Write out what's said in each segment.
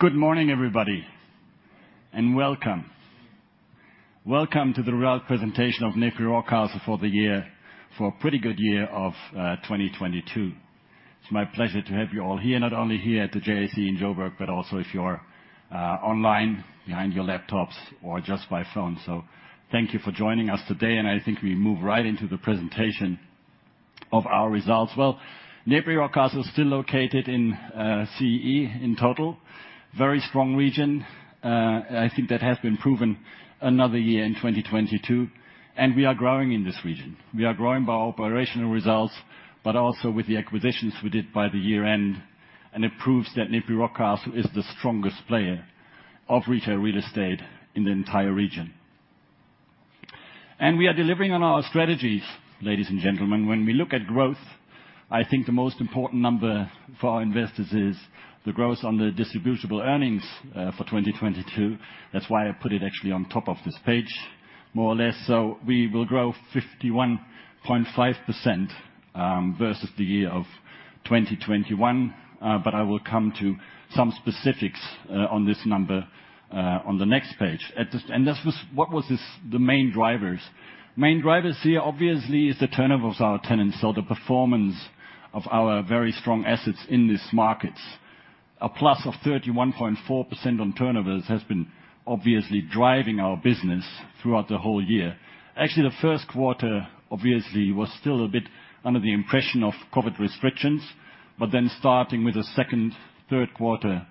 Good morning, everybody, welcome. Welcome to the results presentation of NEPI Rockcastle for the year, for a pretty good year of 2022. It's my pleasure to have you all here, not only here at the JIC in Joburg, but also if you're online behind your laptops or just by phone. Thank you for joining us today, and I think we move right into the presentation of our results. Well, NEPI Rockcastle is still located in CEE in total. Very strong region. I think that has been proven another year in 2022, and we are growing in this region. We are growing by operational results, but also with the acquisitions we did by the year end. It proves that NEPI Rockcastle is the strongest player of retail real estate in the entire region. We are delivering on our strategies, ladies and gentlemen. When we look at growth, I think the most important number for our investors is the growth on the distributable earnings for 2022. That's why I put it actually on top of this page, more or less. We will grow 51.5% versus the year of 2021. I will come to some specifics on this number on the next page. What was this, the main drivers? Main drivers here, obviously, is the turnovers of our tenants, so the performance of our very strong assets in these markets. A plus of 31.4% on turnovers has been obviously driving our business throughout the whole year. Actually, the first quarter, obviously, was still a bit under the impression of COVID restrictions. Starting with the second, third quarter,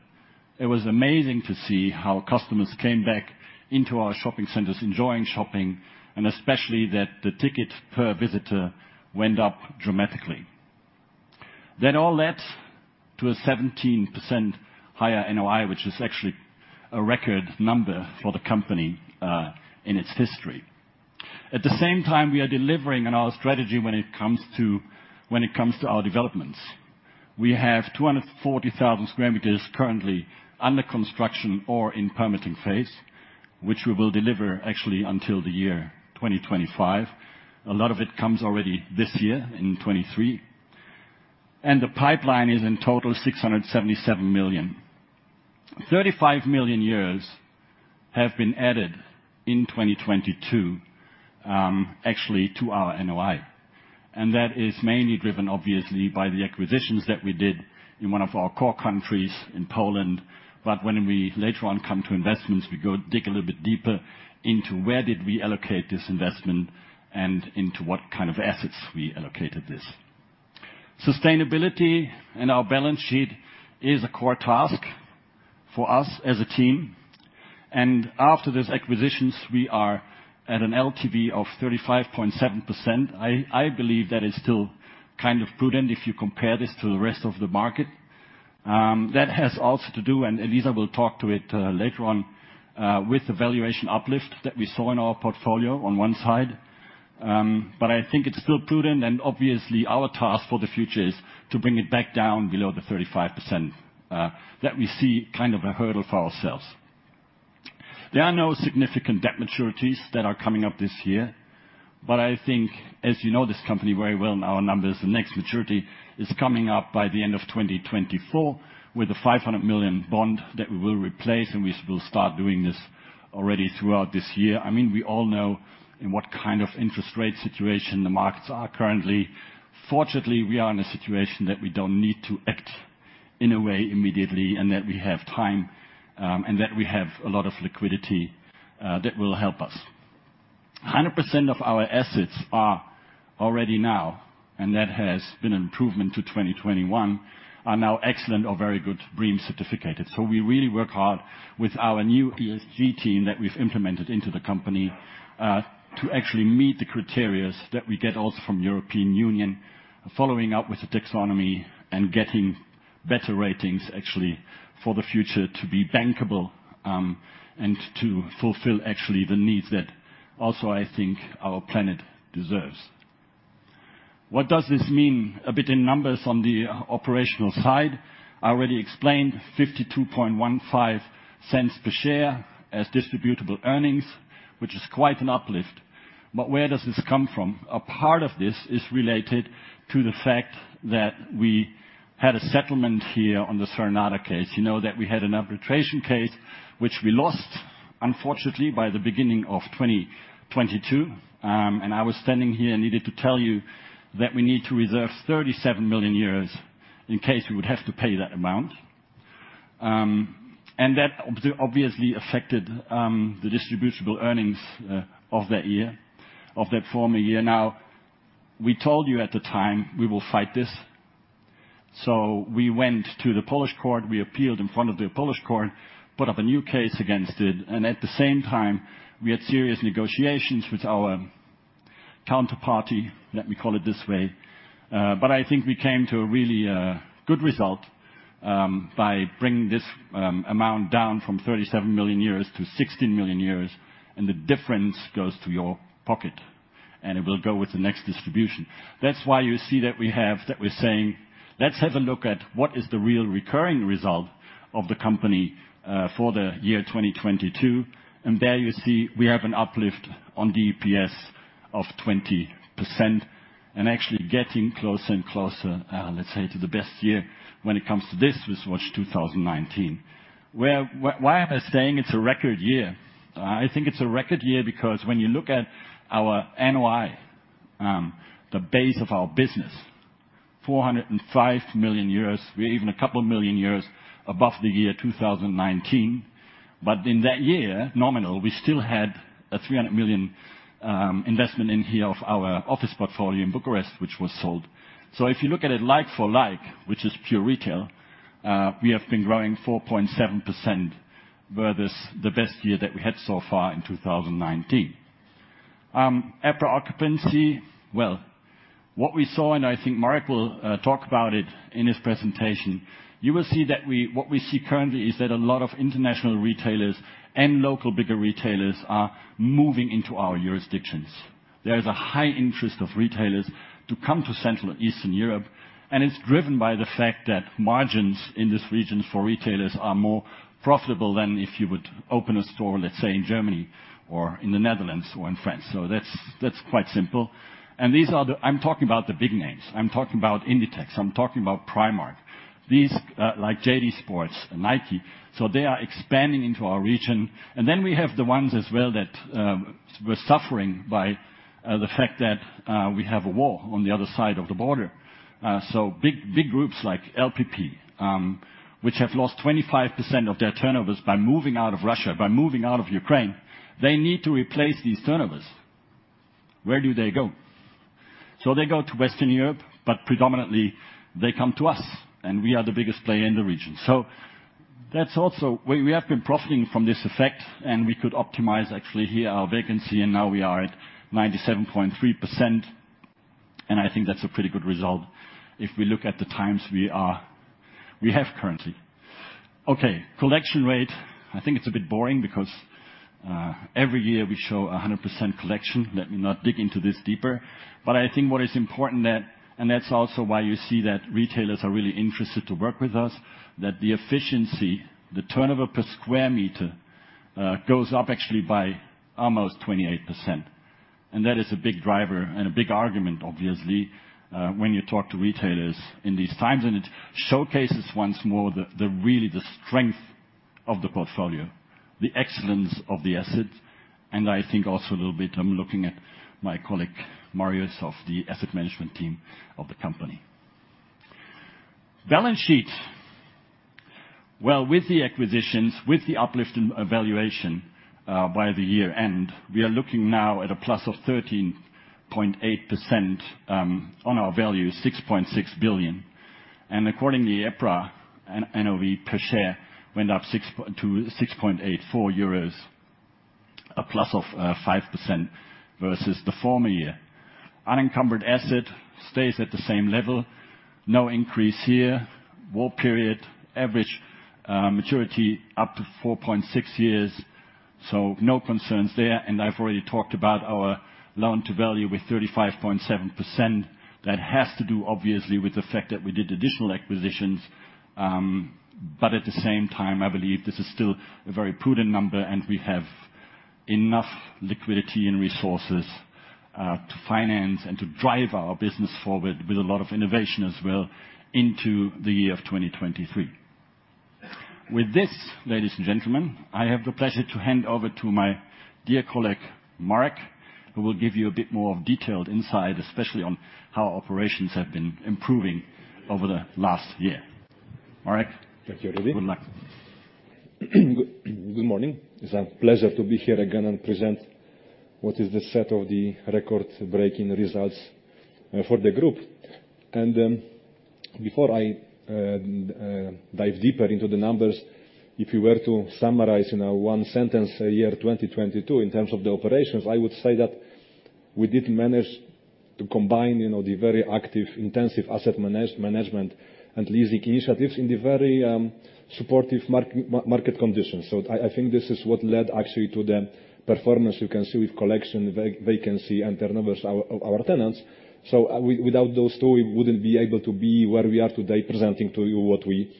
it was amazing to see how customers came back into our shopping centers, enjoying shopping, and especially that the ticket per visitor went up dramatically. That all led to a 17% higher NOI, which is actually a record number for the company in its history. At the same time, we are delivering on our strategy when it comes to our developments. We have 240,000 square meters currently under construction or in permitting phase, which we will deliver actually until the year 2025. A lot of it comes already this year in 2023. The pipeline is in total 677 million. 35 million have been added in 2022 actually to our NOI. That is mainly driven obviously by the acquisitions that we did in one of our core countries in Poland. When we later on come to investments, we go dig a little bit deeper into where did we allocate this investment and into what kind of assets we allocated this. Sustainability in our balance sheet is a core task for us as a team. After these acquisitions, we are at an LTV of 35.7%. I believe that is still kind of prudent if you compare this to the rest of the market. That has also to do, and Elisa will talk to it later on, with the valuation uplift that we saw in our portfolio on one side. I think it's still prudent, and obviously our task for the future is to bring it back down below the 35% that we see kind of a hurdle for ourselves. There are no significant debt maturities that are coming up this year. I think as you know this company very well, now our numbers, the next maturity is coming up by the end of 2024 with a 500 million bond that we will replace, and we will start doing this already throughout this year. I mean, we all know in what kind of interest rate situation the markets are currently. Fortunately, we are in a situation that we don't need to act in a way immediately and that we have time, and that we have a lot of liquidity that will help us. 100% of our assets are already now, and that has been an improvement to 2021, are now excellent or very good BREEAM certificated. We really work hard with our new ESG team that we've implemented into the company, to actually meet the criterias that we get also from European Union, following up with the Taxonomy and getting better ratings actually for the future to be bankable, and to fulfill actually the needs that also I think our planet deserves. What does this mean a bit in numbers on the operational side? I already explained 0.5215 per share as distributable earnings, which is quite an uplift. Where does this come from? A part of this is related to the fact that we had a settlement here on the Sonata case. You know that we had an arbitration case, which we lost, unfortunately, by the beginning of 2022. I was standing here and needed to tell you that we need to reserve 37 million euros in case we would have to pay that amount. That obviously affected the distributable earnings of that year, of that former year. Now, we told you at the time we will fight this. We went to the Polish court, we appealed in front of the Polish court, put up a new case against it. At the same time, we had serious negotiations with our counterparty, let me call it this way. I think we came to a really good result by bringing this amount down from 37 million to 16 million, and the difference goes to your pocket. It will go with the next distribution. That's why you see that we're saying, let's have a look at what is the real recurring result of the company for the year 2022. There you see we have an uplift on DPS of 20%. Actually getting closer and closer, let's say, to the best year when it comes to this was what? 2019. Where, why am I saying it's a record year? I think it's a record year because when you look at our NOI, the base of our business, 405 million euros. We're even a couple of million euros above the year 2019. In that year, nominal, we still had a 300 million investment in here of our office portfolio in Bucharest, which was sold. If you look at it like for like, which is pure retail, we have been growing 4.7% versus the best year that we had so far in 2019. EPRA occupancy. Well, what we saw, and I think Marek will talk about it in his presentation. You will see that what we see currently is that a lot of international retailers and local bigger retailers are moving into our jurisdictions. There is a high interest of retailers to come to Central and Eastern Europe, it's driven by the fact that margins in this region for retailers are more profitable than if you would open a store, let's say, in Germany or in the Netherlands or in France. That's, that's quite simple. These are the... I'm talking about the big names. I'm talking about Inditex. I'm talking about Primark. These, like JD Sports and Nike. They are expanding into our region. We have the ones as well that were suffering by the fact that we have a war on the other side of the border. Big, big groups like LPP, which have lost 25% of their turnovers by moving out of Russia, by moving out of Ukraine. They need to replace these turnovers. Where do they go? They go to Western Europe, but predominantly they come to us, and we are the biggest player in the region. That's also We have been profiting from this effect, and we could optimize actually here our vacancy, and now we are at 97.3%. I think that's a pretty good result if we look at the times we have currently. Okay, collection rate. I think it's a bit boring because every year we show a 100% collection. Let me not dig into this deeper. I think what is important that, and that's also why you see that retailers are really interested to work with us, that the efficiency, the turnover per square meter, goes up actually by almost 28%. That is a big driver and a big argument, obviously, when you talk to retailers in these times. It showcases once more the really, the strength of the portfolio, the excellence of the asset. I think also a little bit, I'm looking at my colleague, Marius, of the asset management team of the company. Balance sheet. Well, with the acquisitions, with the uplift in valuation by the year-end, we are looking now at a plus of 13.8% on our value, 6.6 billion. Accordingly, EPRA and NOI per share went up to 6.84 euros, a plus of 5% versus the former year. Unencumbered asset stays at the same level. No increase here. WAULT period, average maturity up to 4.6 years, so no concerns there. I've already talked about our loan to value with 35.7%. That has to do obviously with the fact that we did additional acquisitions. At the same time, I believe this is still a very prudent number, and we have enough liquidity and resources to finance and to drive our business forward with a lot of innovation as well into the year of 2023. With this, ladies and gentlemen, I have the pleasure to hand over to my dear colleague, Marek, who will give you a bit more detailed insight, especially on how operations have been improving over the last year. Marek. Thank you, Rudy. Good luck. Good morning. It's a pleasure to be here again and present what is the set of the record-breaking results for the group. Before I dive deeper into the numbers, if you were to summarize in a one sentence year 2022 in terms of the operations, I would say that we did manage to combine, you know, the very active, intensive asset management and leasing initiatives in the very supportive market conditions. I think this is what led actually to the performance you can see with collection, vacancy and turnovers of our tenants. Without those two, we wouldn't be able to be where we are today presenting to you what we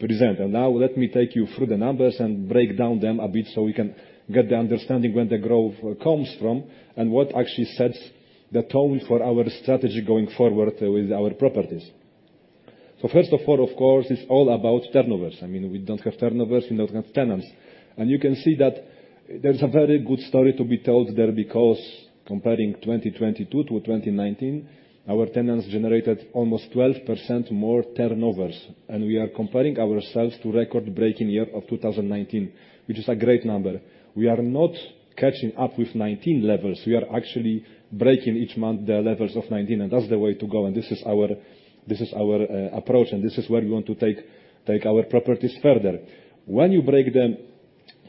present. Now let me take you through the numbers and break down them a bit so we can get the understanding where the growth comes from and what actually sets the tone for our strategy going forward with our properties. First of all, of course, it's all about turnovers. I mean, if we don't have turnovers, we don't have tenants. You can see that there's a very good story to be told there because comparing 2022 to 2019, our tenants generated almost 12% more turnovers. We are comparing ourselves to record-breaking year of 2019, which is a great number. We are not catching up with 2019 levels. We are actually breaking each month the levels of 2019, and that's the way to go. This is our approach, and this is where we want to take our properties further. When you break the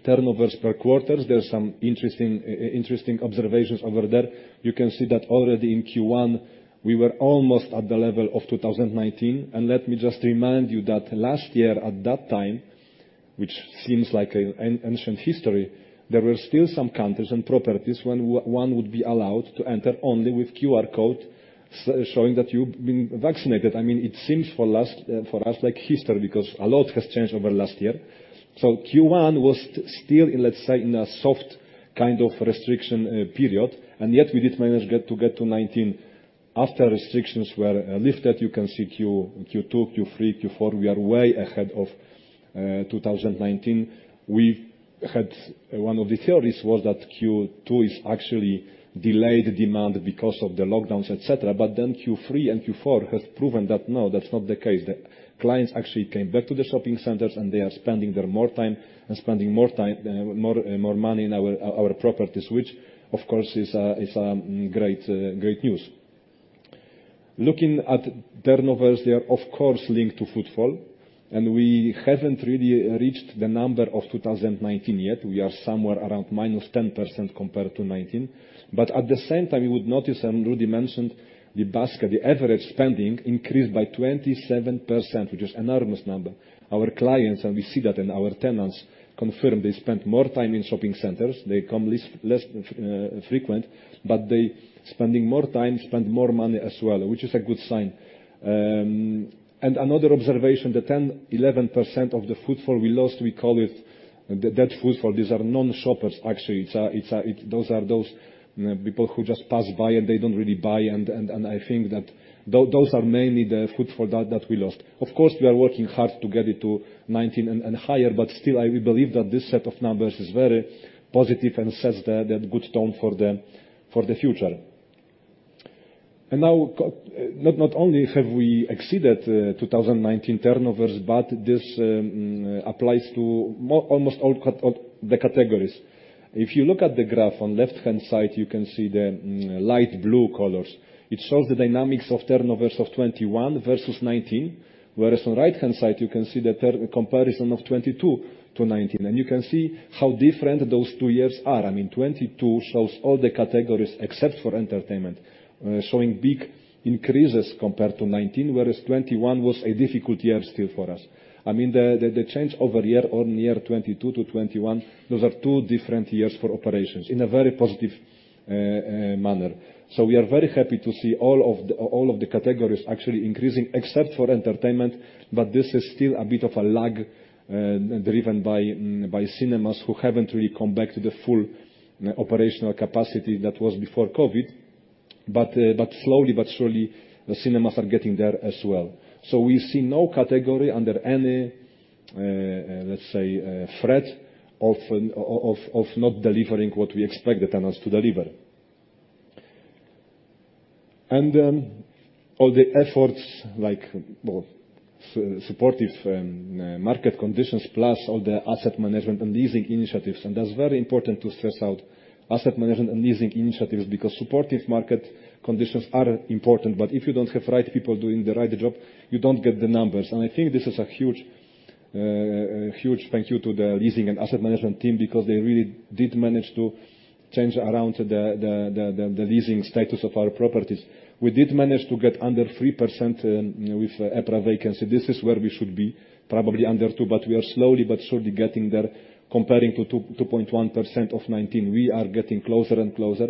turnovers per quarters, there's some interesting observations over there. You can see that already in Q1, we were almost at the level of 2019. Let me just remind you that last year at that time. Which seems like an ancient history. There were still some countries and properties when one would be allowed to enter only with QR code showing that you've been vaccinated. I mean, it seems for us like history, because a lot has changed over last year. Q1 was still, let's say, in a soft kind of restriction period. Yet we did manage to get to 2019. After restrictions were lifted, you can see Q2, Q3, Q4, we are way ahead of 2019. One of the theories was that Q2 is actually delayed demand because of the lockdowns, et cetera. Q3 and Q4 has proven that no, that's not the case. The clients actually came back to the shopping centers, and they are spending more time, more money in our properties, which of course is great news. Looking at turnovers, they are of course linked to footfall, and we haven't really reached the number of 2019 yet. We are somewhere around -10% compared to 2019. At the same time, you would notice, and Rudy mentioned, the basket, the average spending increased by 27%, which is enormous number. Our clients, we see that in our tenants, confirm they spend more time in shopping centers. They come less frequent, they spending more time, spend more money as well, which is a good sign. Another observation, the 10%, 11% of the footfall we lost, we call it the dead footfall. These are non-shoppers actually. Those are those people who just pass by, they don't really buy. I think that those are mainly the footfall that we lost. Of course, we are working hard to get it to 19 and higher. Still, we believe that this set of numbers is very positive and sets the good tone for the future. Not only have we exceeded 2019 turnovers, this applies to almost all the categories. If you look at the graph on left-hand side, you can see the light blue colors. It shows the dynamics of turnovers of 2021 versus 2019. On right-hand side, you can see the comparison of 2022 to 2019. You can see how different those two years are. I mean, 2022 shows all the categories except for entertainment, showing big increases compared to 2019, whereas 2021 was a difficult year still for us. I mean, the change over year-on-year, 2022 to 2021, those are two different years for operations in a very positive manner. We are very happy to see all of the categories actually increasing, except for entertainment. This is still a bit of a lag, driven by cinemas who haven't really come back to the full operational capacity that was before COVID. Slowly but surely, the cinemas are getting there as well. We see no category under any threat of not delivering what we expect the tenants to deliver. All the efforts like, well, supportive market conditions, plus all the asset management and leasing initiatives. That's very important to stress out asset management and leasing initiatives because supportive market conditions are important. If you don't have right people doing the right job, you don't get the numbers. I think this is a huge, huge thank you to the leasing and asset management team because they really did manage to change around the leasing status of our properties. We did manage to get under 3% with EPRA vacancy. This is where we should be, probably under two, but we are slowly but surely getting there. Comparing to 2.1% of 2019, we are getting closer and closer.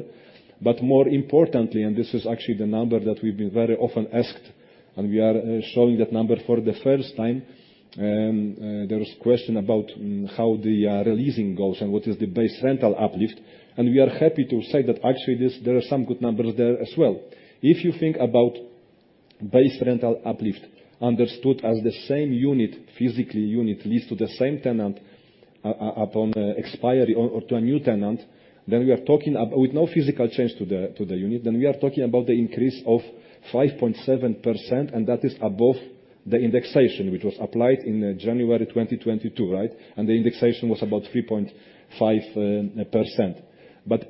More importantly, and this is actually the number that we've been very often asked, and we are showing that number for the first time. There is question about how the releasing goes and what is the base rental uplift. We are happy to say that actually there are some good numbers there as well. If you think about base rental uplift understood as the same unit, physically unit leased to the same tenant upon expiry or to a new tenant, then we are talking about with no physical change to the unit, then we are talking about the increase of 5.7%, and that is above the indexation, which was applied in January 2022, right? The indexation was about 3.5%.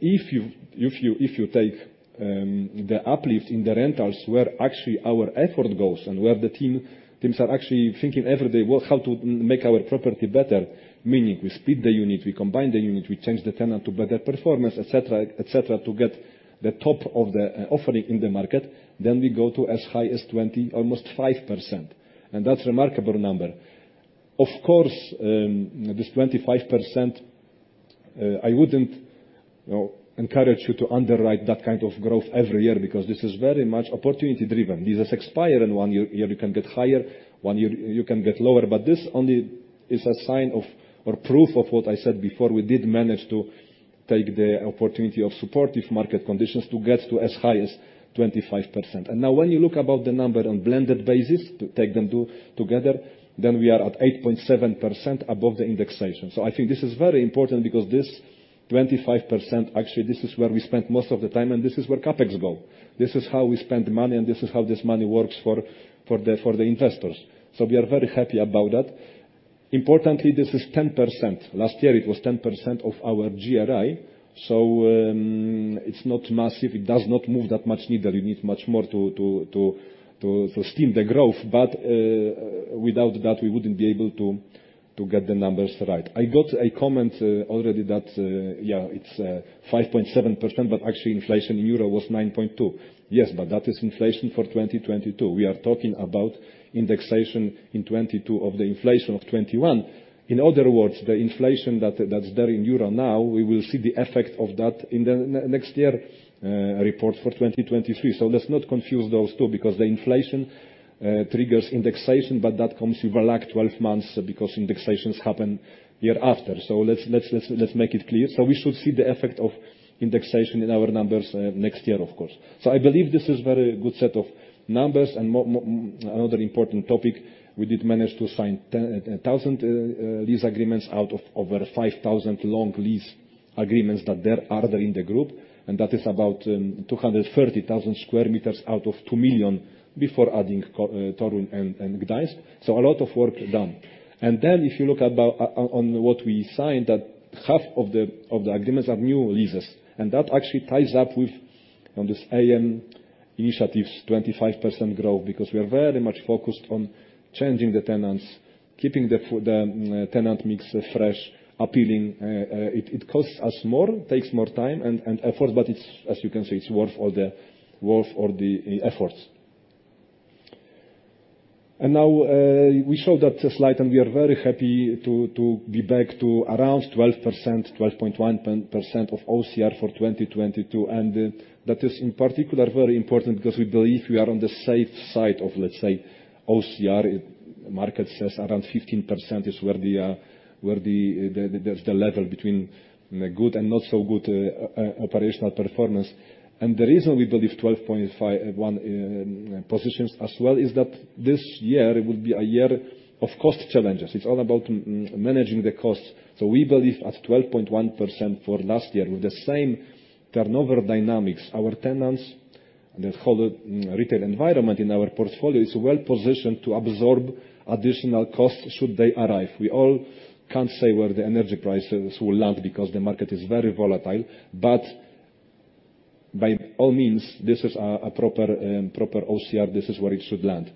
If you take the uplift in the rentals, where actually our effort goes and where the teams are actually thinking every day, well, how to make our property better? Meaning we split the unit, we combine the unit, we change the tenant to better performance, et cetera, et cetera, to get the top of the offering in the market, then we go to as high as 25%. That's remarkable number. Of course, this 25%, I wouldn't, you know, encourage you to underwrite that kind of growth every year because this is very much opportunity driven. This is expiring. One year you can get higher, one year you can get lower. This only is a sign of, or proof of what I said before. We did manage to take the opportunity of supportive market conditions to get to as high as 25%. Now when you look about the number on blended basis, to take them to together, then we are at 8.7% above the indexation. I think this is very important because this 25%, actually, this is where we spend most of the time, and this is where CapEx go. This is how we spend money, and this is how this money works for the investors. We are very happy about that. Importantly, this is 10%. Last year it was 10% of our GRI. It's not massive. It does not move that much neither. You need much more to steam the growth. Without that, we wouldn't be able to get the numbers right. I got a comment already that it's 5.7%, but actually inflation in Euro was 9.2%. That is inflation for 2022. We are talking about indexation in 22 of the inflation of 21. In other words, the inflation that's there in EUR now, we will see the effect of that in the next year report for 2023. Let's not confuse those two, because the inflation triggers indexation, but that comes with a lag 12 months because indexations happen year after. Let's make it clear. We should see the effect of indexation in our numbers next year, of course. I believe this is very good set of numbers. Another important topic, we did manage to sign 10,000 lease agreements out of over 5,000 long lease agreements that there are there in the group, and that is about 230,000 sq meters out of 2 million before adding Torun and Gdansk. A lot of work done. If you look at about what we signed, that half of the agreements are new leases. That actually ties up with, on this AM initiatives, 25% growth, because we are very much focused on changing the tenants, keeping the tenant mix fresh, appealing. It costs us more, takes more time and effort, but it's, as you can see, it's worth all the efforts. Now we show that slide, and we are very happy to be back to around 12%, 12.1% of OCR for 2022. That is in particular very important because we believe we are on the safe side of, let's say, OCR. Market says around 15% is where the level between the good and not so good operational performance. The reason we believe 12.1% positions as well, is that this year it will be a year of cost challenges. It's all about managing the costs. We believe at 12.1% for last year with the same turnover dynamics, our tenants, the whole retail environment in our portfolio is well positioned to absorb additional costs should they arrive. We all can't say where the energy prices will land because the market is very volatile. By all means, this is a proper OCR. This is where it should land.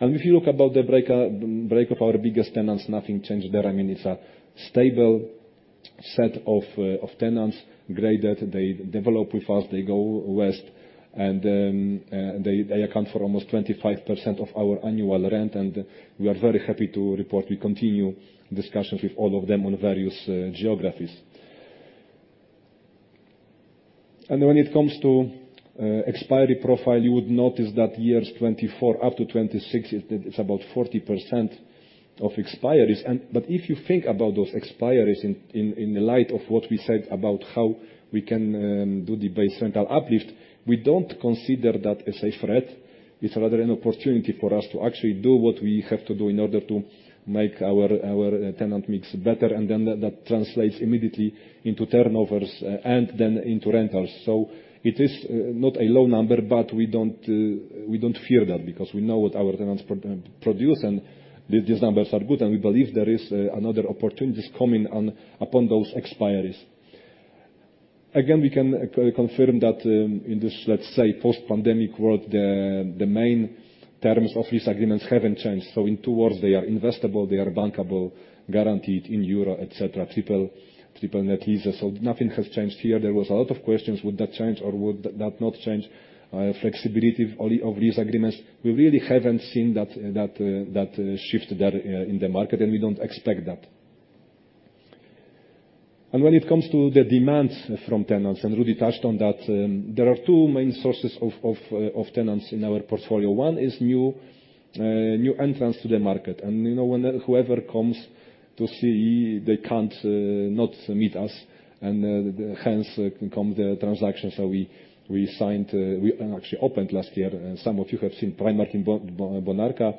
If you look about the break of our biggest tenants, nothing changed there. I mean, it's a stable set of tenants graded. They develop with us, they go west, and they account for almost 25% of our annual rent. We are very happy to report we continue discussions with all of them on various geographies. When it comes to expiry profile, you would notice that years 2024 up to 2026, it's about 40% of expiries. If you think about those expiries in light of what we said about how we can do the base rental uplift, we don't consider that as a threat. It's rather an opportunity for us to actually do what we have to do in order to make our tenant mix better. That translates immediately into turnovers and then into rentals. It is not a low number, but we don't fear that because we know what our tenants produce, and these numbers are good, and we believe there is another opportunities coming upon those expiries. Again, we can confirm that in this, let's say, post-pandemic world, the main terms of lease agreements haven't changed. In two words, they are investable, they are bankable, guaranteed in Euro, et cetera, triple net leases. Nothing has changed here. There was a lot of questions, would that change or would that not change, flexibility of lease agreements? We really haven't seen that shift there in the market, and we don't expect that. When it comes to the demands from tenants, and Rudy touched on that, there are two main sources of tenants in our portfolio. One is new entrants to the market. You know, whoever comes to see, they can't not meet us. Hence come the transactions that we signed, we actually opened last year. Some of you have seen Primark in Bonarka.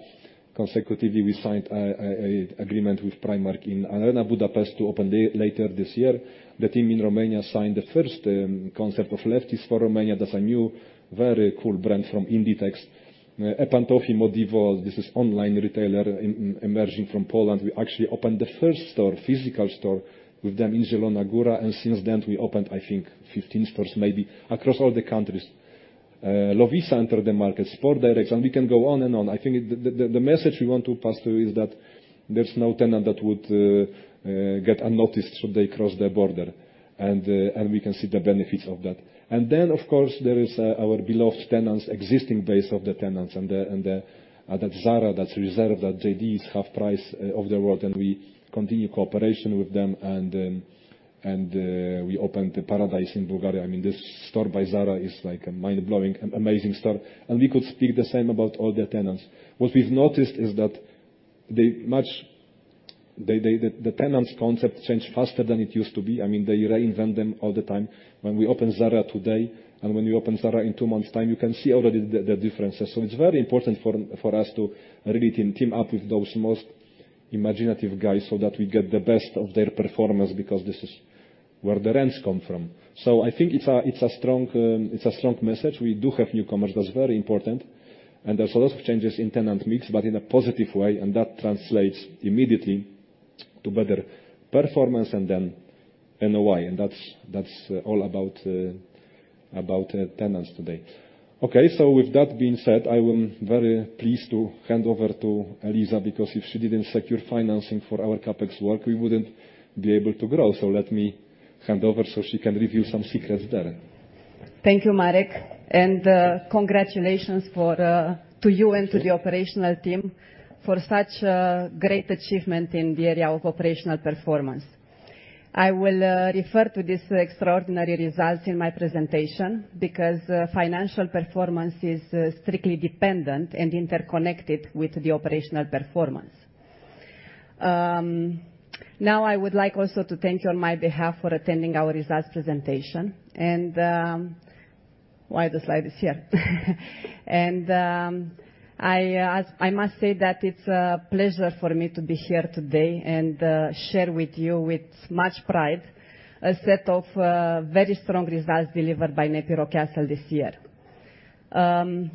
Consecutively, we signed an agreement with Primark in Arena Budapest to open later this year. The team in Romania signed the first concept of Lefties for Romania. That's a new, very cool brand from Inditex. Epantofi, Modivo, this is online retailer emerging from Poland. We actually opened the first store, physical store with them in Zielona Gora. Since then, we opened, I think, 15 stores maybe across all the countries. Lovisa entered the market, Sports Direct, and we can go on and on. I think the message we want to pass through is that there's no tenant that would get unnoticed should they cross the border. We can see the benefits of that. Of course, there is our beloved tenants, existing base of the tenants, and that Zara, that Reserved, that JD's half price of the world, and we continue cooperation with them. We opened the Paradise in Bulgaria. I mean, this store by Zara is like a mind-blowing, amazing store. We could speak the same about all the tenants. What we've noticed is that they, the tenant's concept change faster than it used to be. I mean, they reinvent them all the time. When we open Zara today, and when you open Zara in two months' time, you can see already the differences. It's very important for us to really team up with those most imaginative guys so that we get the best of their performance, because this is key. Where the rents come from. I think it's a strong message. We do have newcomers. That's very important, and there's a lot of changes in tenant mix, but in a positive way, and that translates immediately to better performance and then NOI. That's all about tenants today. With that being said, I am very pleased to hand over to Elisa, because if she didn't secure financing for our CapEx work, we wouldn't be able to grow. Let me hand over so she can reveal some secrets there. Thank you, Marek, and congratulations to you and to the operational team for such a great achievement in the area of operational performance. I will refer to these extraordinary results in my presentation because financial performance is strictly dependent and interconnected with the operational performance. Now I would like also to thank you on my behalf for attending our results presentation and why the slide is here. I must say that it's a pleasure for me to be here today and share with you with much pride a set of very strong results delivered by NEPI Rockcastle this year.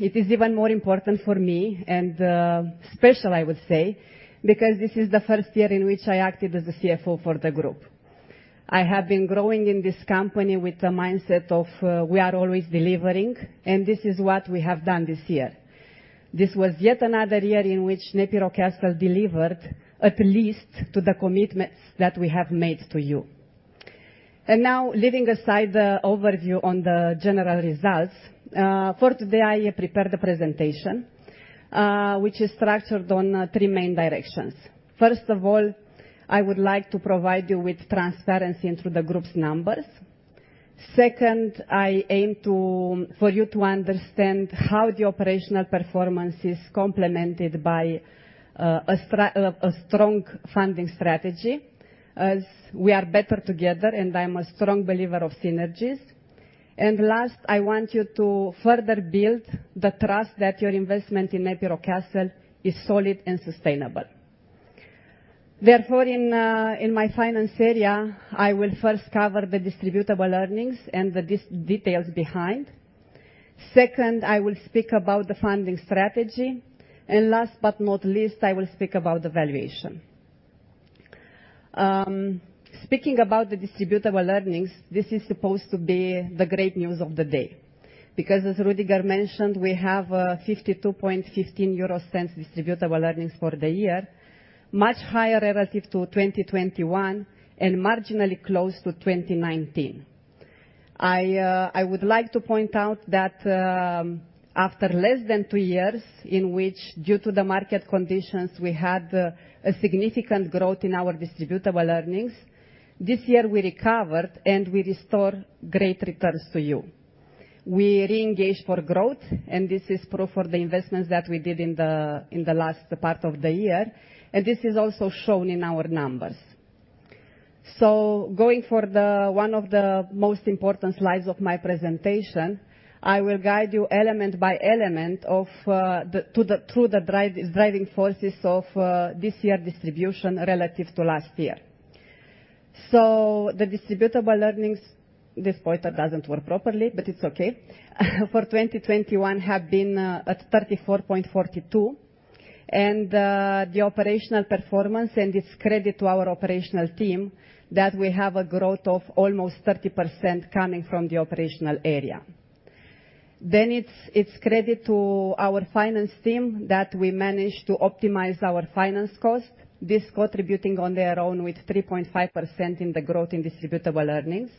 It is even more important for me and special, I would say, because this is the first year in which I acted as a CFO for the group. I have been growing in this company with the mindset of, we are always delivering, and this is what we have done this year. This was yet another year in which NEPI Rockcastle delivered at least to the commitments that we have made to you. Now leaving aside the overview on the general results, for today I prepared a presentation, which is structured on three main directions. First of all, I would like to provide you with transparency into the group's numbers. Second, I aim for you to understand how the operational performance is complemented by a strong funding strategy, as we are better together, and I'm a strong believer of synergies. Last, I want you to further build the trust that your investment in NEPI Rockcastle is solid and sustainable. Therefore, in my finance area, I will first cover the distributable earnings and the details behind. Second, I will speak about the funding strategy. Last but not least, I will speak about the valuation. Speaking about the distributable earnings, this is supposed to be the great news of the day because, as Rüdiger mentioned, we have a 0.5215 distributable earnings for the year, much higher relative to 2021 and marginally close to 2019. I would like to point out that, after less than two years in which, due to the market conditions, we had a significant growth in our distributable earnings, this year we recovered and we restore great returns to you. We re-engage for growth, and this is proof of the investments that we did in the, in the last part of the year, and this is also shown in our numbers. Going for the one of the most important slides of my presentation, I will guide you element by element of the, to the, through the driving forces of this year distribution relative to last year. The distributable earnings. This pointer doesn't work properly, but it's okay. For 2021 have been at 34.42, and the operational performance and its credit to our operational team that we have a growth of almost 30% coming from the operational area. It's, it's credit to our finance team that we managed to optimize our finance cost, this contributing on their own with 3.5% in the growth in distributable earnings.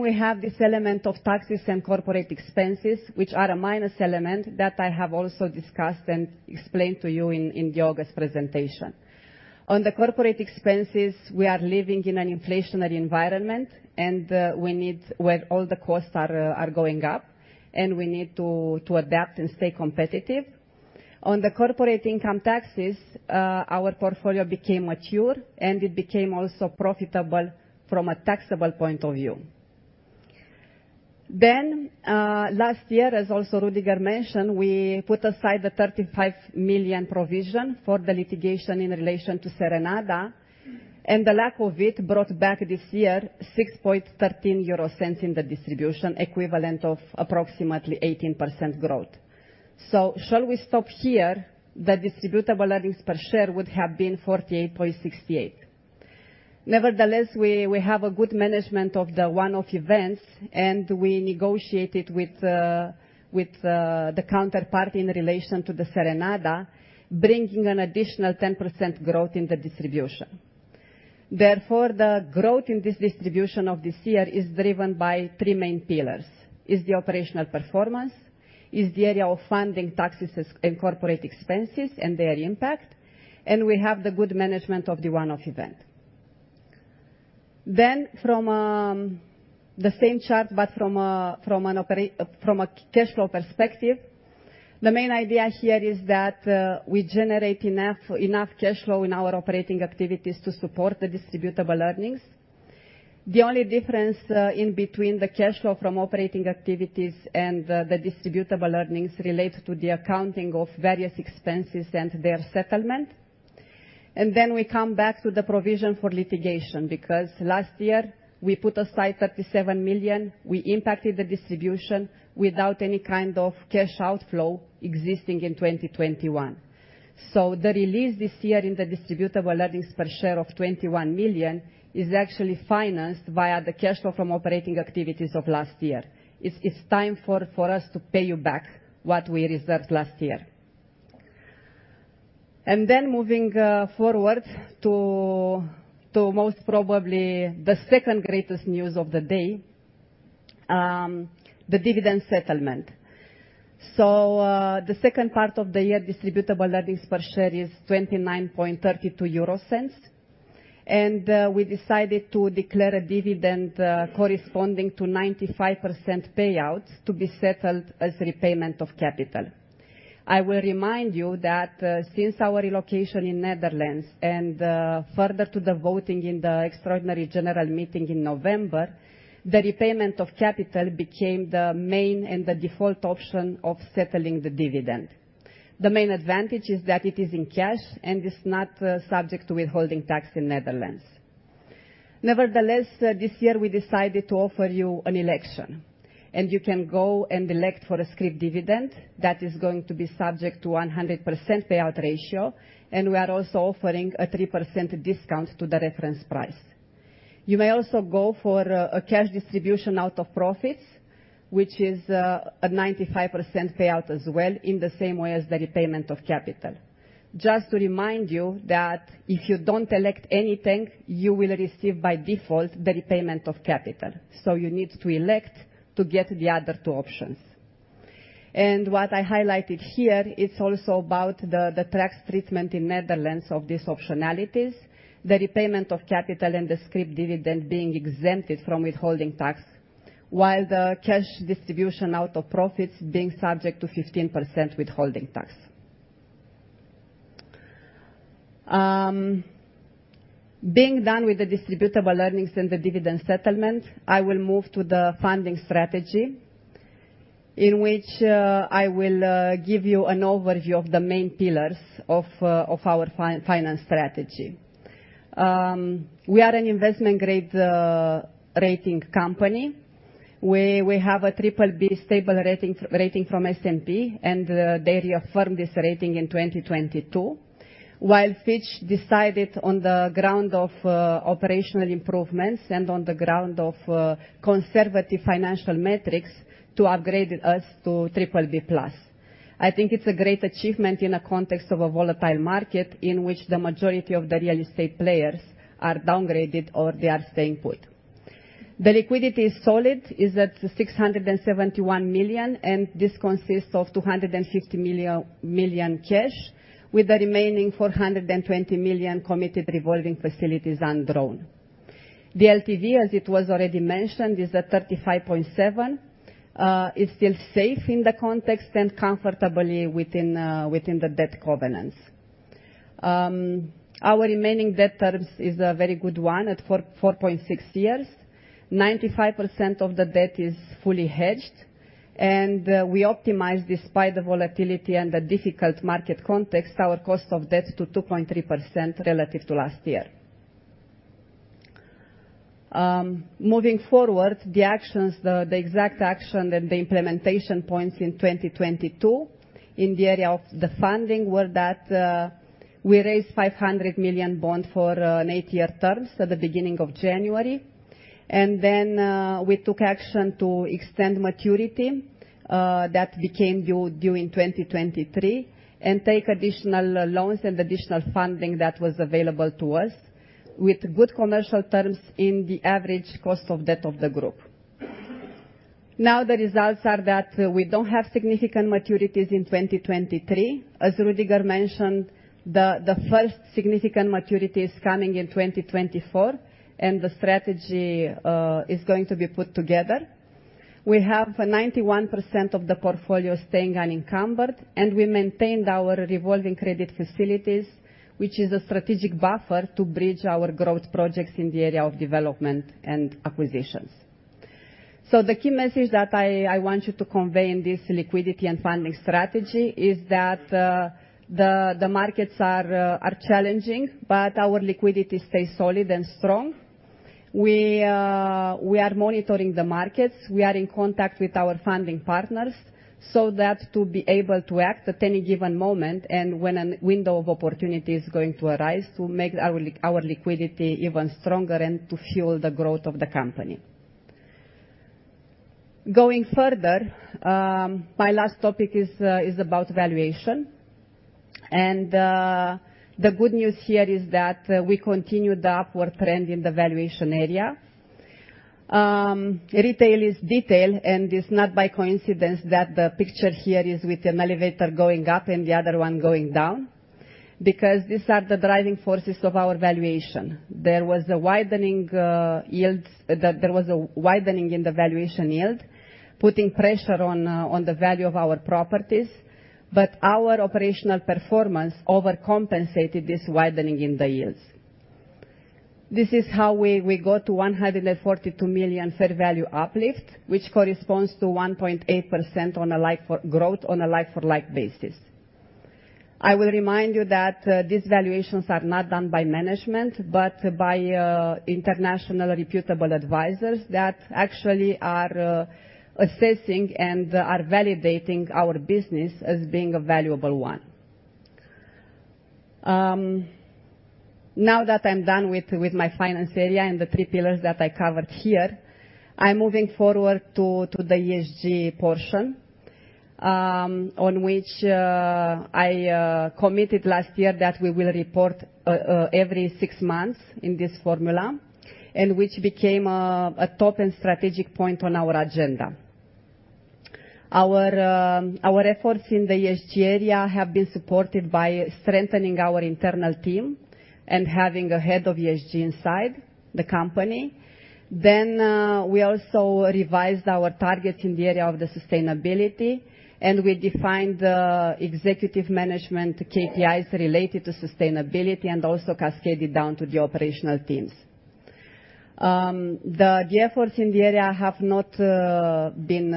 We have this element of taxes and corporate expenses, which are a minus element that I have also discussed and explained to you in Georg's presentation. On the corporate expenses, we are living in an inflationary environment, and we need where all the costs are going up, and we need to adapt and stay competitive. On the corporate income taxes, our portfolio became mature, and it became also profitable from a taxable point of view. Last year, as also Rüdiger mentioned, we put aside the 35 million provision for the litigation in relation to Serenada, and the lack of it brought back this year 0.0613 in the distribution, equivalent of approximately 18% growth. Shall we stop here? The distributable earnings per share would have been 0.4868. We have a good management of the one-off events, we negotiated with the counterparty in relation to the Serenada, bringing an additional 10% growth in the distribution. The growth in this distribution of this year is driven by three main pillars. Is the operational performance, is the area of funding taxes and corporate expenses and their impact, we have the good management of the one-off event. From the same chart, but from a cash flow perspective, the main idea here is that we generate enough cash flow in our operating activities to support the distributable earnings. The only difference in between the cash flow from operating activities and the distributable earnings relate to the accounting of various expenses and their settlement. Then we come back to the provision for litigation, because last year we put aside 37 million. We impacted the distribution without any kind of cash outflow existing in 2021. The release this year in the distributable earnings per share of 21 million is actually financed via the cash flow from operating activities of last year. It's time for us to pay you back what we reserved last year. Moving forward to most probably the second-greatest news of the day, the dividend settlement. The second part of the year distributable earnings per share is 0.2932, we decided to declare a dividend corresponding to 95% payouts to be settled as repayment of capital. I will remind you that since our relocation in Netherlands and further to the voting in the extraordinary general meeting in November, the repayment of capital became the main and the default option of settling the dividend. The main advantage is that it is in cash and is not subject to withholding tax in Netherlands. Nevertheless, this year we decided to offer you an election, you can go and elect for a scrip dividend that is going to be subject to 100% payout ratio, we are also offering a 3% discount to the reference price. You may also go for a cash distribution out of profits, which is a 95% payout as well in the same way as the repayment of capital. Just to remind you that if you don't elect anything, you will receive by default the repayment of capital. You need to elect to get the other two options. What I highlighted here is also about the tax treatment in Netherlands of these optionalities, the repayment of capital and the scrip dividend being exempted from withholding tax while the cash distribution out of profits being subject to 15% withholding tax. Being done with the distributable earnings and the dividend settlement, I will move to the funding strategy in which I will give you an overview of the main pillars of our finance strategy. We are an investment grade rating company, where we have a triple B stable rating from S&P. They reaffirmed this rating in 2022, while Fitch decided on the ground of operational improvements and on the ground of conservative financial metrics to upgrade us to triple B plus. I think it's a great achievement in a context of a volatile market in which the majority of the real estate players are downgraded or they are staying put. The liquidity is solid, is at 671 million, and this consists of 250 million cash, with the remaining 420 million committed revolving facilities and drawn. The LTV, as it was already mentioned, is at 35.7%. It's still safe in the context and comfortably within the debt covenants. Our remaining debt terms is a very good one at 4.6 years. 95% of the debt is fully hedged. We optimized, despite the volatility and the difficult market context, our cost of debt to 2.3% relative to last year. Moving forward, the actions, the exact action and the implementation points in 2022 in the area of the funding were that we raised 500 million bond for an eight-year terms at the beginning of January. We took action to extend maturity that became due in 2023 and take additional loans and additional funding that was available to us with good commercial terms in the average cost of debt of the group. The results are that we don't have significant maturities in 2023. As Rüdiger mentioned, the first significant maturity is coming in 2024, the strategy is going to be put together. We have 91% of the portfolio staying unencumbered, we maintained our revolving credit facilities, which is a strategic buffer to bridge our growth projects in the area of development and acquisitions. The key message that I want you to convey in this liquidity and funding strategy is that the markets are challenging, our liquidity stays solid and strong. We are monitoring the markets. We are in contact with our funding partners, so that to be able to act at any given moment and when a window of opportunity is going to arise to make our liquidity even stronger and to fuel the growth of the company. Going further, my last topic is about valuation. The good news here is that we continued the upward trend in the valuation area. Retail is detail, it's not by coincidence that the picture here is with an elevator going up and the other one going down, because these are the driving forces of our valuation. There was a widening in the valuation yield, putting pressure on the value of our properties, but our operational performance overcompensated this widening in the yields. This is how we go to 142 million fair value uplift, which corresponds to 1.8% on a like for growth on a like-for-like basis. I will remind you that these valuations are not done by management, but by international reputable advisors that actually are assessing and are validating our business as being a valuable one. Now that I'm done with my finance area and the three pillars that I covered here, I'm moving forward to the ESG portion, on which I committed last year that we will report every six months in this formula, and which became a top and strategic point on our agenda. Our efforts in the ESG area have been supported by strengthening our internal team and having a head of ESG inside the company. We also revised our targets in the area of the sustainability, and we defined the executive management KPIs related to sustainability and also cascaded down to the operational teams. The efforts in the area have not been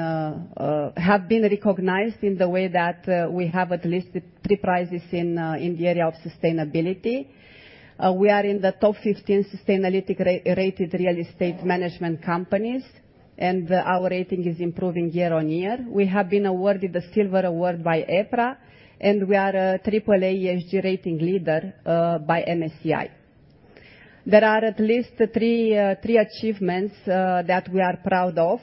recognized in the way that we have at least 3 prizes in the area of sustainability. We are in the top 15 sustainality rated real estate management companies. Our rating is improving year on year. We have been awarded the Silver Award by EPRA. We are a AAA ESG rating leader by MSCI. There are at least 3 achievements that we are proud of.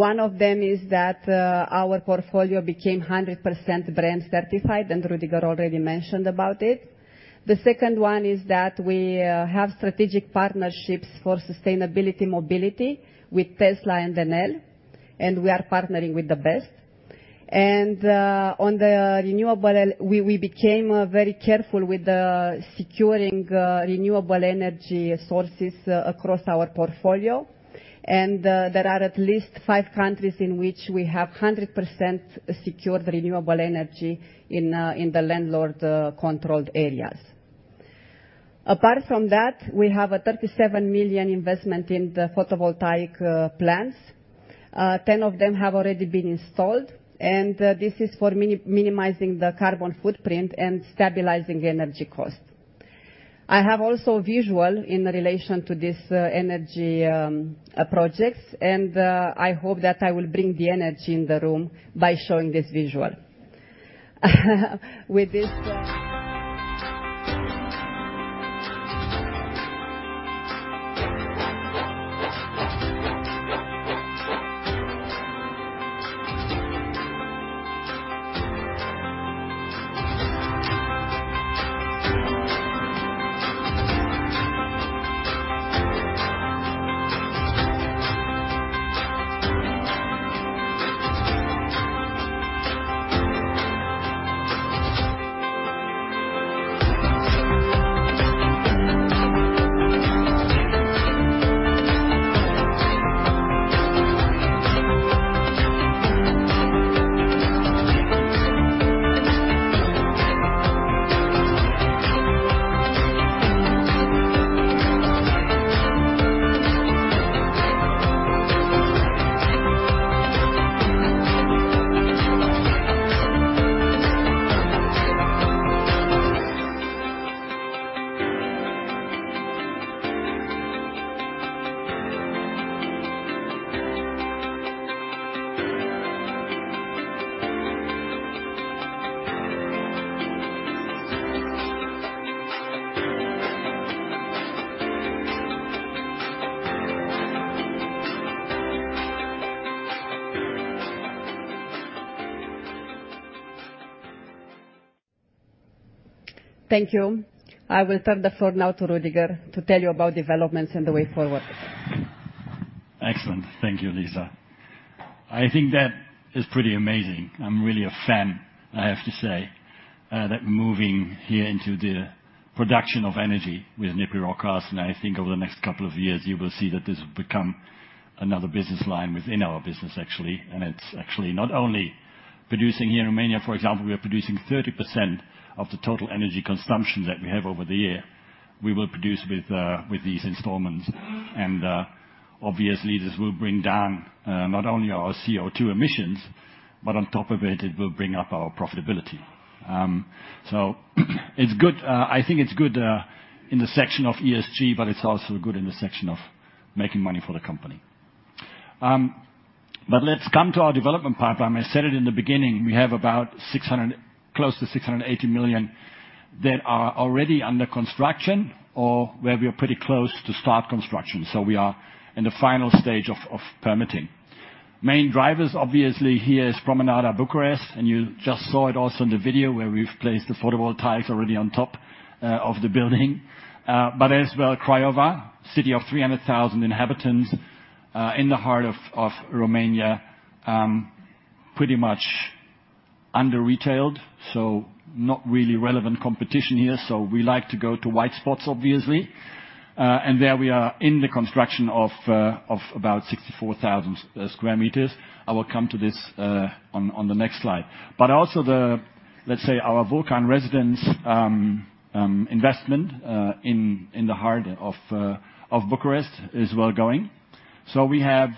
One of them is that our portfolio became 100% brand certified, and Rüdiger already mentioned about it. The second one is that we have strategic partnerships for sustainability mobility with Tesla and Enel. We are partnering with the best. On the renewable, we became very careful with the securing renewable energy sources across our portfolio. There are at least five countries in which we have 100% secured renewable energy in the landlord controlled areas. Apart from that, we have a 37 million investment in the photovoltaic plants. 10 of them have already been installed, this is for minimizing the carbon footprint and stabilizing energy costs. I have also visual in relation to this energy projects, I hope that I will bring the energy in the room by showing this visual. Thank you. I will turn the floor now to Rüdiger to tell you about developments and the way forward. Excellent. Thank you, Lisa. I think that is pretty amazing. I'm really a fan, I have to say, that moving here into the production of energy with NEPI Rockcastle. I think over the next couple of years, you will see that this will become another business line within our business, actually. It's actually not only producing here in Romania, for example, we are producing 30% of the total energy consumption that we have over the year, we will produce with these installments. Obviously, this will bring down not only our CO2 emissions, but on top of it will bring up our profitability. It's good. I think it's good in the section of ESG, it's also good in the section of making money for the company. Let's come to our development pipeline. I said it in the beginning, we have about close to 680 million that are already under construction or where we are pretty close to start construction. We are in the final stage of permitting. Main drivers, obviously, here is Promenada Bucharest, and you just saw it also in the video where we've placed the photovoltaics already on top of the building. But as well, Craiova, city of 300,000 inhabitants in the heart of Romania, pretty much under-retailed, so not really relevant competition here. We like to go to white spots, obviously. There we are in the construction of about 64,000 sq m. I will come to this on the next slide. Also the, let's say, our Vulcan Residence investment in the heart of Bucharest is well going. We have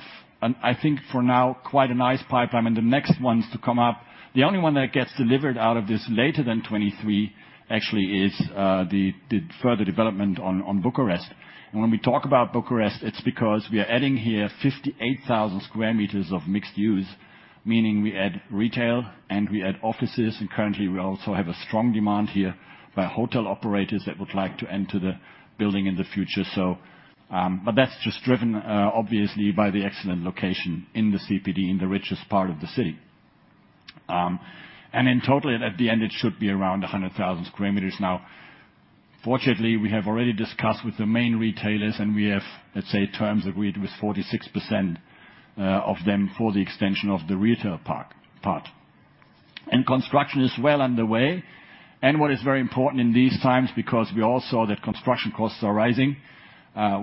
an, I think for now, quite a nice pipeline, and the next ones to come up. The only one that gets delivered out of this later than 2023 actually is the further development on Bucharest. When we talk about Bucharest, it's because we are adding here 58,000 square meters of mixed-use, meaning we add retail and we add offices. Currently, we also have a strong demand here by hotel operators that would like to enter the building in the future. That's just driven, obviously, by the excellent location in the CBD, in the richest part of the city. In total, at the end, it should be around 100,000 square meters now. Fortunately, we have already discussed with the main retailers, and we have, let's say, terms agreed with 46% of them for the extension of the retail park, part. Construction is well underway. What is very important in these times, because we all saw that construction costs are rising,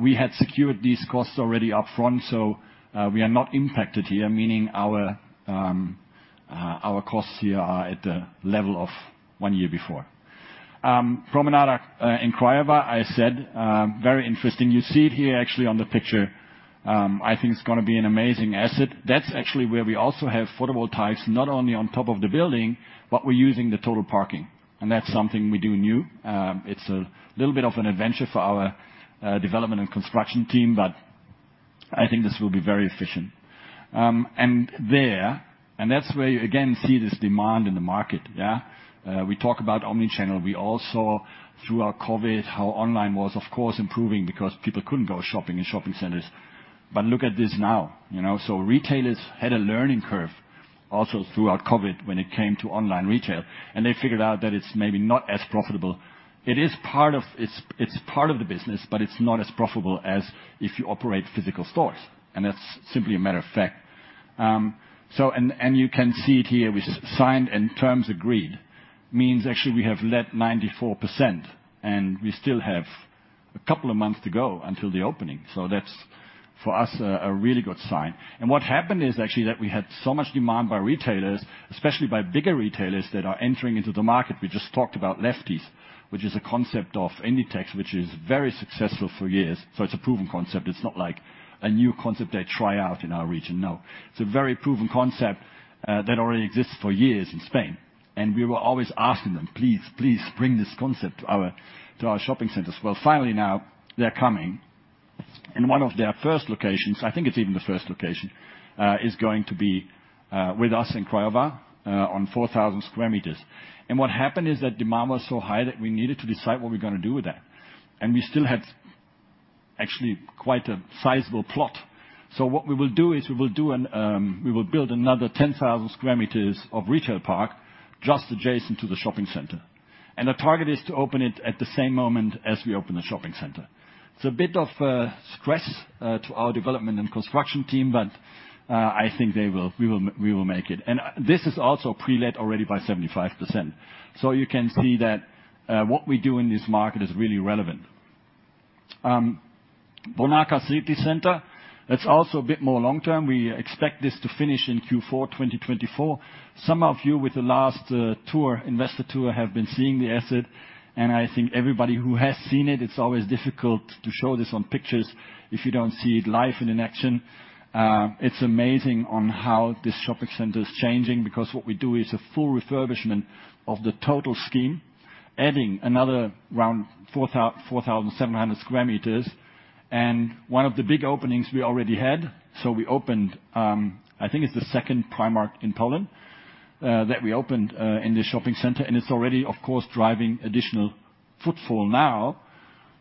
we had secured these costs already up front, so we are not impacted here, meaning our costs here are at the level of one year before. Promenada, in Craiova, I said, very interesting. You see it here actually on the picture. I think it's gonna be an amazing asset. That's actually where we also have photovoltaics, not only on top of the building, but we're using the total parking. That's something we do new. It's a little bit of an adventure for our development and construction team, but I think this will be very efficient. That's where you again see this demand in the market, yeah? We talk about omnichannel. We all saw throughout COVID how online was, of course, improving because people couldn't go shopping in shopping centers. Look at this now, you know. Retailers had a learning curve also throughout COVID when it came to online retail, and they figured out that it's maybe not as profitable. It's part of the business, but it's not as profitable as if you operate physical stores. That's simply a matter of fact. You can see it here, we signed and terms agreed. Means actually we have let 94%. We still have a couple of months to go until the opening. That's for us, a really good sign. What happened is actually that we had so much demand by retailers, especially by bigger retailers that are entering into the market. We just talked about Lefties, which is a concept of Inditex, which is very successful for years. It's a proven concept. It's not like a new concept they try out in our region. No. It's a very proven concept that already exists for years in Spain. We were always asking them, "Please, please bring this concept to our, to our shopping centers." Finally now they're coming. One of their first locations, I think it's even the first location, is going to be with us in Craiova on 4,000 square meters. What happened is that demand was so high that we needed to decide what we're gonna do with that. We still had actually quite a sizable plot. What we will do is we will do, we will build another 10,000 square meters of retail park just adjacent to the shopping center. The target is to open it at the same moment as we open the shopping center. It's a bit of stress to our development and construction team, but I think they will, we will make it. This is also prelet already by 75%. You can see that what we do in this market is really relevant. Bonarka City Center, that's also a bit more long-term. We expect this to finish in Q4 2024. Some of you with the last tour, investor tour, have been seeing the asset. I think everybody who has seen it's always difficult to show this on pictures if you don't see it live and in action. It's amazing on how this shopping center is changing because what we do is a full refurbishment of the total scheme, adding another around 4,700 square meters. One of the big openings we already had, so we opened, I think it's the second Primark in Poland that we opened in the shopping center. It's already, of course, driving additional footfall now,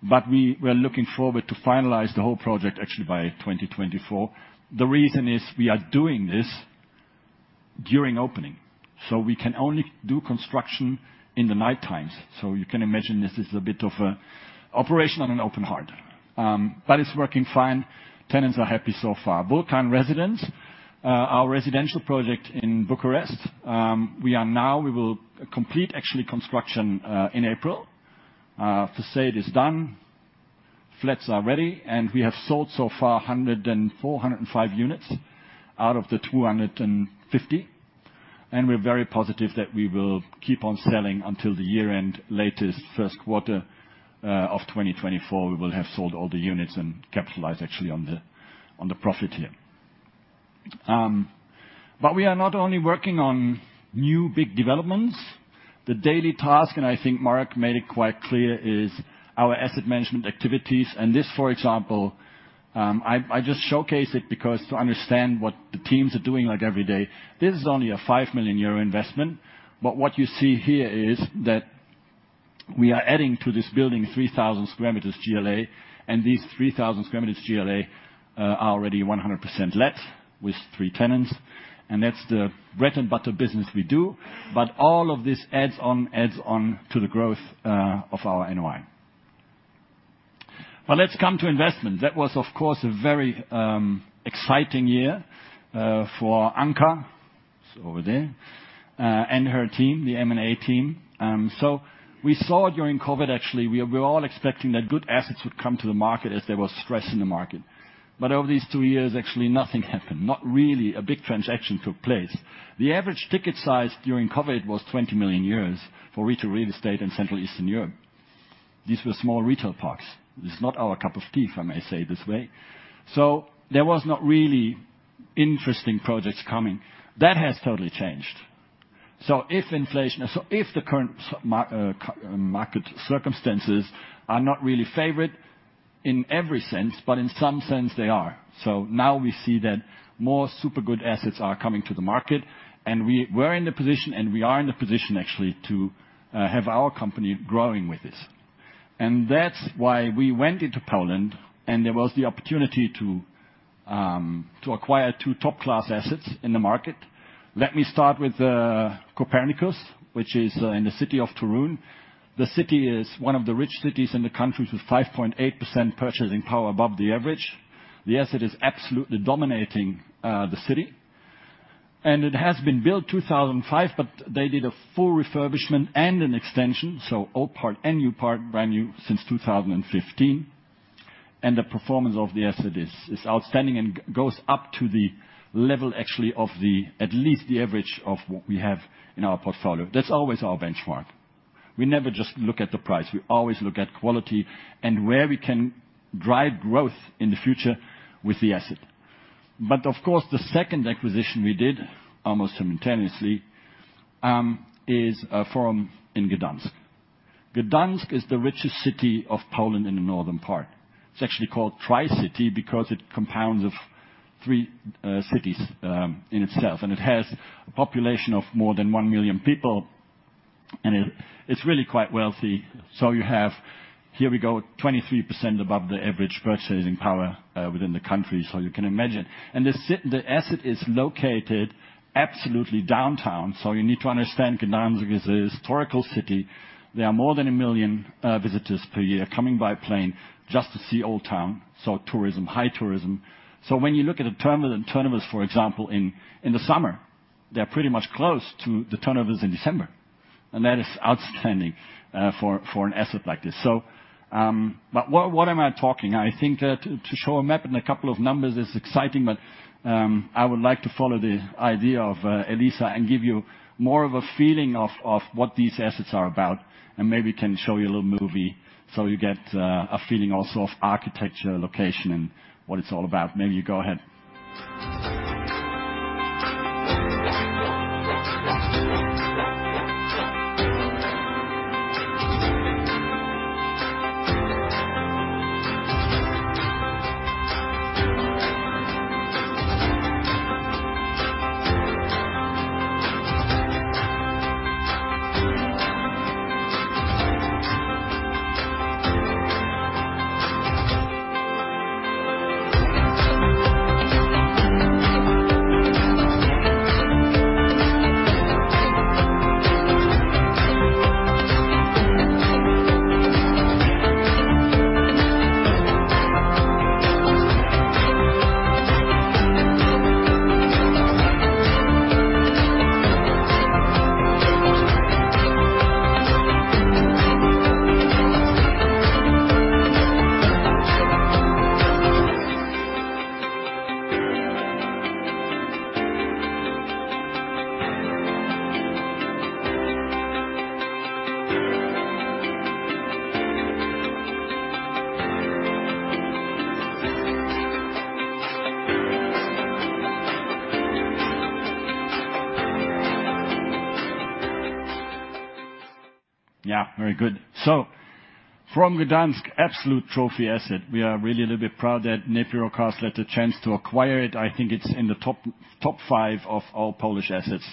but we were looking forward to finalize the whole project actually by 2024. The reason is we are doing this during opening, so we can only do construction in the night times. You can imagine this is a bit of operation on an open heart. It's working fine. Tenants are happy so far. Vulcan Residence, our residential project in Bucharest, we will complete actually construction in April. Facade is done. Flats are ready, we have sold so far 104, 105 units out of the 250. We're very positive that we will keep on selling until the year-end. Latest first quarter of 2024, we will have sold all the units and capitalized actually on the profit here. We are not only working on new big developments. The daily task, I think Marek made it quite clear, is our asset management activities. This, for example, I just showcase it because to understand what the teams are doing like every day. This is only a 5 million euro investment, but what you see here is that we are adding to this building 3,000 square meters GLA, and these 3,000 square meters GLA are already 100% let with three tenants. That's the bread and butter business we do. All of this adds on to the growth of our NOI. Let's come to investment. That was, of course, a very exciting year for Anka. Over there, and her team, the M&A team. We saw during COVID, actually, we were all expecting that good assets would come to the market as there was stress in the market. Over these two years, actually nothing happened, not really a big transaction took place. The average ticket size during COVID was 20 million euros for retail real estate in Central Eastern Europe. These were small retail parks. This is not our cup of tea, if I may say this way. There was not really interesting projects coming. That has totally changed. If the current market circumstances are not really favored in every sense, but in some sense they are. Now we see that more super good assets are coming to the market, and we were in the position, and we are in the position actually to have our company growing with this. That's why we went into Poland, and there was the opportunity to acquire two top-class assets in the market. Let me start with Copernicus, which is in the city of Torun. The city is one of the rich cities in the country with 5.8% purchasing power above the average. The asset is absolutely dominating the city. It has been built 2005, but they did a full refurbishment and an extension. Old part and new part, brand new since 2015. The performance of the asset is outstanding and goes up to the level actually of the, at least the average of what we have in our portfolio. That's always our benchmark. We never just look at the price. We always look at quality and where we can drive growth in the future with the asset. Of course, the second acquisition we did almost simultaneously is from, in Gdańsk. Gdańsk is the richest city of Poland in the northern part. It's actually called Tri-City because it compounds of three cities in itself, and it has a population of more than 1 million people, and it's really quite wealthy. You have, here we go, 23% above the average purchasing power within the country. You can imagine. The asset is located absolutely downtown. You need to understand Gdańsk is a historical city. There are more than 1 million visitors per year coming by plane just to see Old Town. Tourism, high tourism. When you look at the turnover, turnovers, for example, in the summer, they're pretty much close to the turnovers in December. That is outstanding for an asset like this. But what am I talking? I think to show a map and a couple of numbers is exciting, but I would like to follow the idea of Elisa and give you more of a feeling of what these assets are about, and maybe can show you a little movie so you get a feeling also of architecture, location, and what it's all about. Maybe you go ahead. Yeah, very good. From Gdansk, absolute trophy asset. We are really a little bit proud that NEPI Rockcastle had a chance to acquire it. I think it's in the top five of all Polish assets.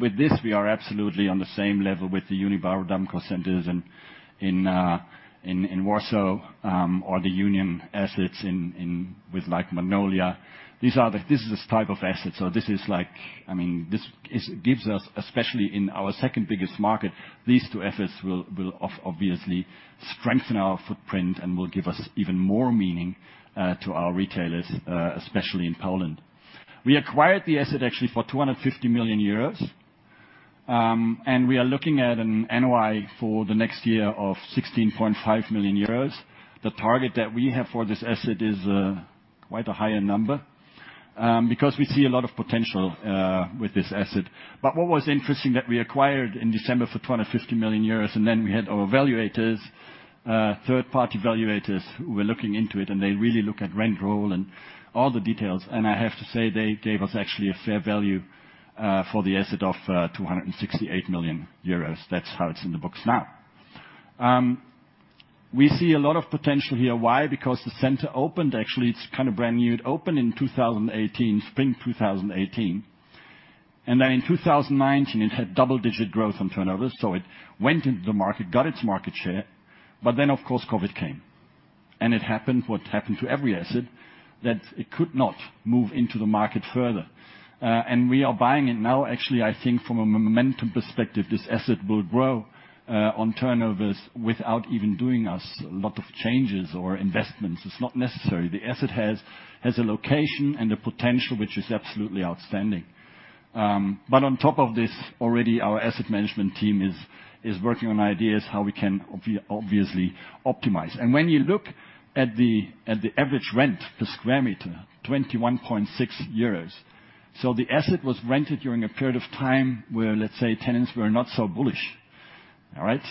With this, we are absolutely on the same level with the Unibail-Rodamco centers in Warsaw, or the Union assets in with like Magnolia. This is the type of asset. This is like, I mean, this is, gives us, especially in our second biggest market, these two assets will obviously strengthen our footprint and will give us even more meaning to our retailers, especially in Poland. We acquired the asset actually for 250 million euros. And we are looking at an NOI for the next year of 16.5 million euros. The target that we have for this asset is quite a higher number, because we see a lot of potential with this asset. What was interesting that we acquired in December for 250 million euros, and then we had our evaluators, third-party evaluators who were looking into it, and they really look at rent roll and all the details. I have to say, they gave us actually a fair value for the asset of 268 million euros. That's how it's in the books now. We see a lot of potential here. Why? Because the center opened. Actually, it's kind of brand new. It opened in 2018, spring 2018. Then in 2019, it had double-digit growth on turnover. It went into the market, got its market share, but then, of course, COVID came. It happened what happened to every asset, that it could not move into the market further. We are buying it now. Actually, I think from a momentum perspective, this asset will grow on turnovers without even doing us a lot of changes or investments. It's not necessary. The asset has a location and a potential which is absolutely outstanding. On top of this, already our asset management team is working on ideas how we can obviously optimize. When you look at the average rent per square meter, 21.6 euros. The asset was rented during a period of time where, let's say, tenants were not so bullish. All right?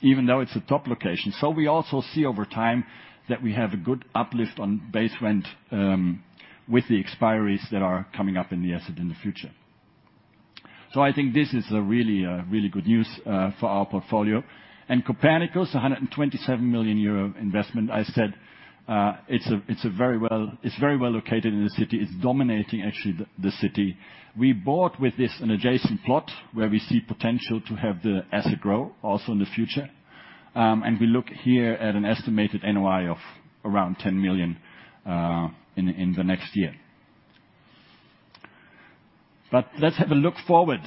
Even though it's a top location. We also see over time that we have a good uplift on base rent with the expiries that are coming up in the asset in the future. I think this is a really good news for our portfolio. Copernicus, 127 million euro investment. I said, it's very well located in the city. It's dominating actually the city. We bought with this an adjacent plot where we see potential to have the asset grow also in the future. We look here at an estimated NOI of around 10 million in the next year. Let's have a look forward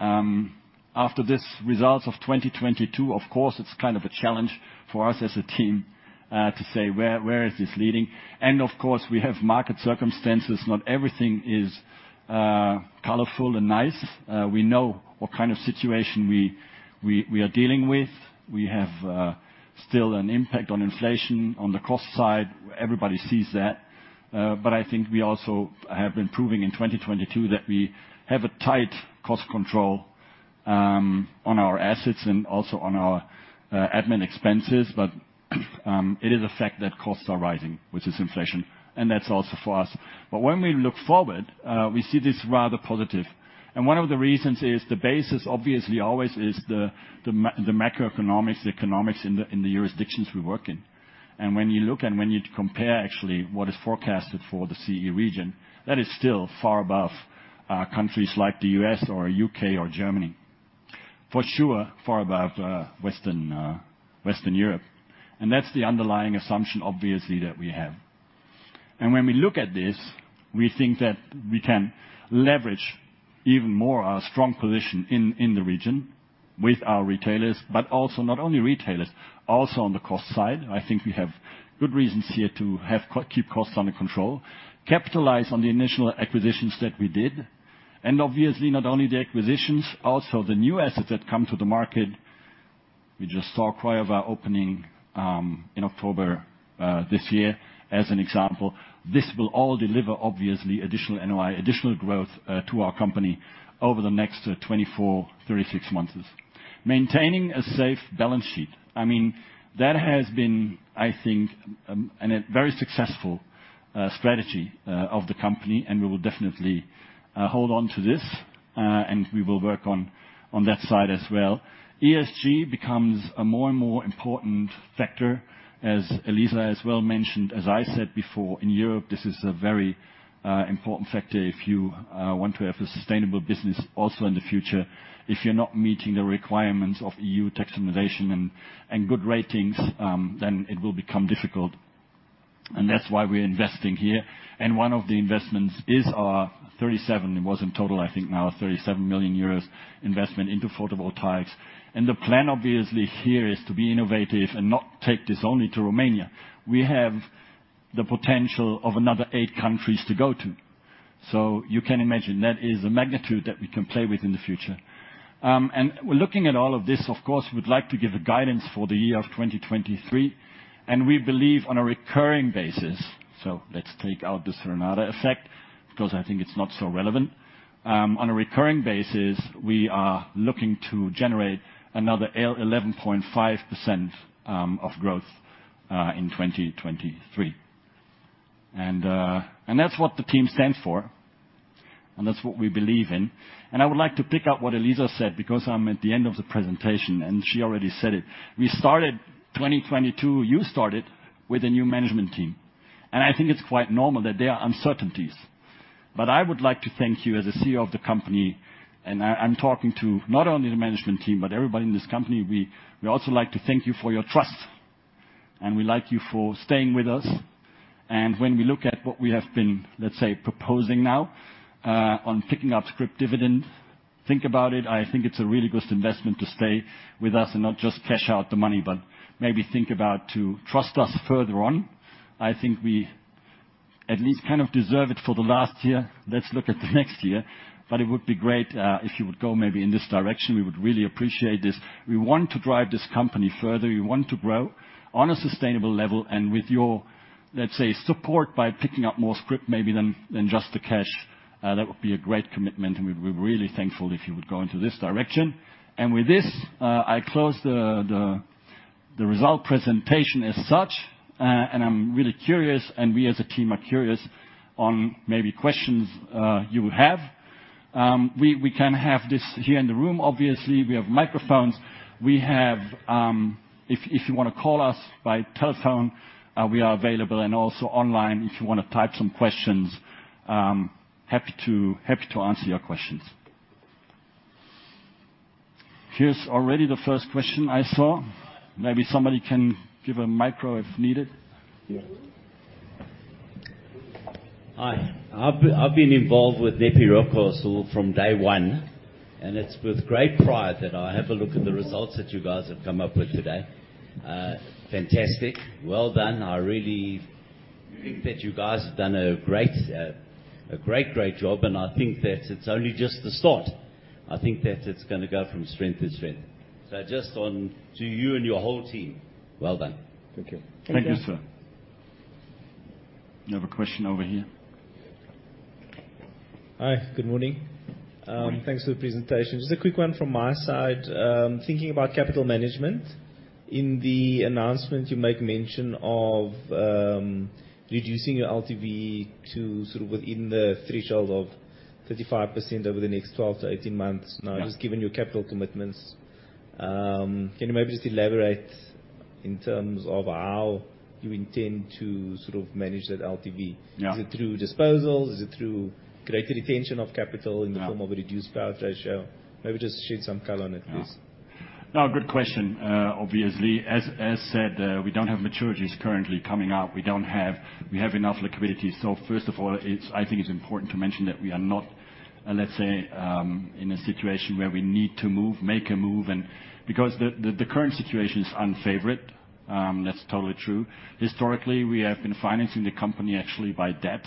after this results of 2022. Of course, it's kind of a challenge for us as a team to say where this is leading. Of course, we have market circumstances. Not everything is colorful and nice. We know what kind of situation we are dealing with. We have still an impact on inflation on the cost side. Everybody sees that. I think we also have been proving in 2022 that we have a tight cost control on our assets and also on our admin expenses. It is a fact that costs are rising, which is inflation. That's also for us. When we look forward, we see this rather positive. One of the reasons is the basis obviously always is the macroeconomics, the economics in the jurisdictions we work in. When you look and when you compare actually what is forecasted for the CEE region, that is still far above countries like the U.S. or U.K. or Germany. For sure, far above Western Western Europe. That's the underlying assumption obviously that we have. When we look at this, we think that we can leverage even more our strong position in the region with our retailers, but also not only retailers, also on the cost side. I think we have good reasons here to keep costs under control, capitalize on the initial acquisitions that we did, and obviously not only the acquisitions, also the new assets that come to the market. We just saw Craiova opening in October this year as an example. This will all deliver obviously additional NOI, additional growth to our company over the next 24, 36 months. Maintaining a safe balance sheet. I mean, that has been, I think, a very successful strategy of the company, and we will definitely hold on to this, and we will work on that side as well. ESG becomes a more and more important factor, as Elisa as well mentioned. As I said before, in Europe, this is a very important factor if you want to have a sustainable business also in the future. If you're not meeting the requirements of European Union tax harmonization and good ratings, then it will become difficult. That's why we're investing here. One of the investments is our 37 million, it was in total I think now 37 million euros investment into photovoltaics. The plan obviously here is to be innovative and not take this only to Romania. We have the potential of another eight countries to go to. You can imagine that is a magnitude that we can play with in the future. We're looking at all of this, of course, we'd like to give a guidance for the year of 2023. We believe on a recurring basis. Let's take out the Serenada effect, because I think it's not so relevant. On a recurring basis, we are looking to generate another 11.5% of growth in 2023. That's what the team stands for, and that's what we believe in. I would like to pick up what Elisa said, because I'm at the end of the presentation, and she already said it. We started 2022, you started with a new management team. I think it's quite normal that there are uncertainties. I would like to thank you as the CEO of the company, and I'm talking to not only the management team, but everybody in this company. We also like to thank you for your trust, and we like you for staying with us. When we look at what we have been, let's say, proposing now, on picking up scrip dividend, think about it. I think it's a really good investment to stay with us and not just cash out the money, but maybe think about to trust us further on. I think we at least kind of deserve it for the last year. Let's look at the next year. It would be great, if you would go maybe in this direction. We would really appreciate this. We want to drive this company further. We want to grow on a sustainable level and with your, let's say, support by picking up more scrip maybe than just the cash, that would be a great commitment, and we'd be really thankful if you would go into this direction. With this, I close the result presentation as such. I'm really curious, and we as a team are curious on maybe questions you have. We can have this here in the room, obviously. We have microphones. We have, if you wanna call us by telephone, we are available and also online if you wanna type some questions, happy to answer your questions. Here's already the first question I saw. Maybe somebody can give a micro if needed. Yeah. Hi. I've been involved with NEPI Rockcastle from day one. It's with great pride that I have a look at the results that you guys have come up with today. Fantastic. Well done. I really think that you guys have done a great job. I think that it's only just the start. I think that it's gonna go from strength to strength. Just on to you and your whole team, well done. Thank you. Thank you, sir. You have a question over here. Hi, good morning. Good morning. Thanks for the presentation. Just a quick one from my side. Thinking about capital management. In the announcement, you make mention of reducing your LTV to sort of within the threshold of 35% over the next 12 to 18 months. Yeah. Just given your capital commitments, can you maybe just elaborate in terms of how you intend to sort of manage that LTV? Yeah. Is it through disposals? Is it through greater retention of capital? Yeah. -in the form of a reduced payout ratio? Maybe just shed some color on it, please. Yeah. No, good question. Obviously, as said, we don't have maturities currently coming up. We have enough liquidity. First of all, I think it's important to mention that we are not, let's say, in a situation where we need to move, make a move. Because the current situation is unfavored, that's totally true. Historically, we have been financing the company actually by debt,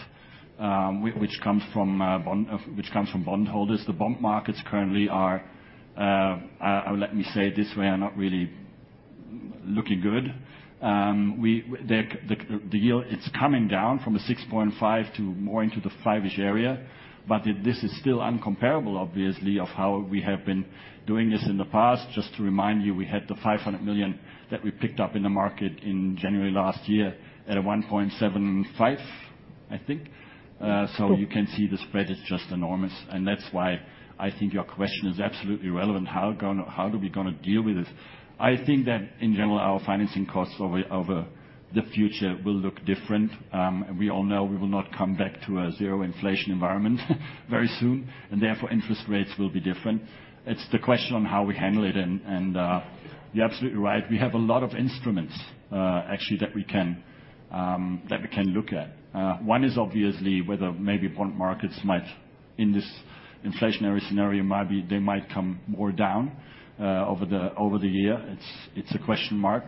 which comes from bondholders. The bond markets currently are, let me say it this way, are not really looking good. The yield, it's coming down from a 6.5% to more into the five-ish% area, but this is still incomparable, obviously, of how we have been doing this in the past. Just to remind you, we had the 500 million that we picked up in the market in January last year at a 1.75%, I think. You can see the spread is just enormous, That's why I think your question is absolutely relevant. How do we gonna deal with this? I think that in general, our financing costs over the future will look different. We all know we will not come back to a 0% inflation environment very soon. Therefore, interest rates will be different. It's the question on how we handle it and, you're absolutely right. We have a lot of instruments, actually, that we can look at. One is obviously whether maybe bond markets might, in this inflationary scenario, they might come more down over the year. It's a question mark.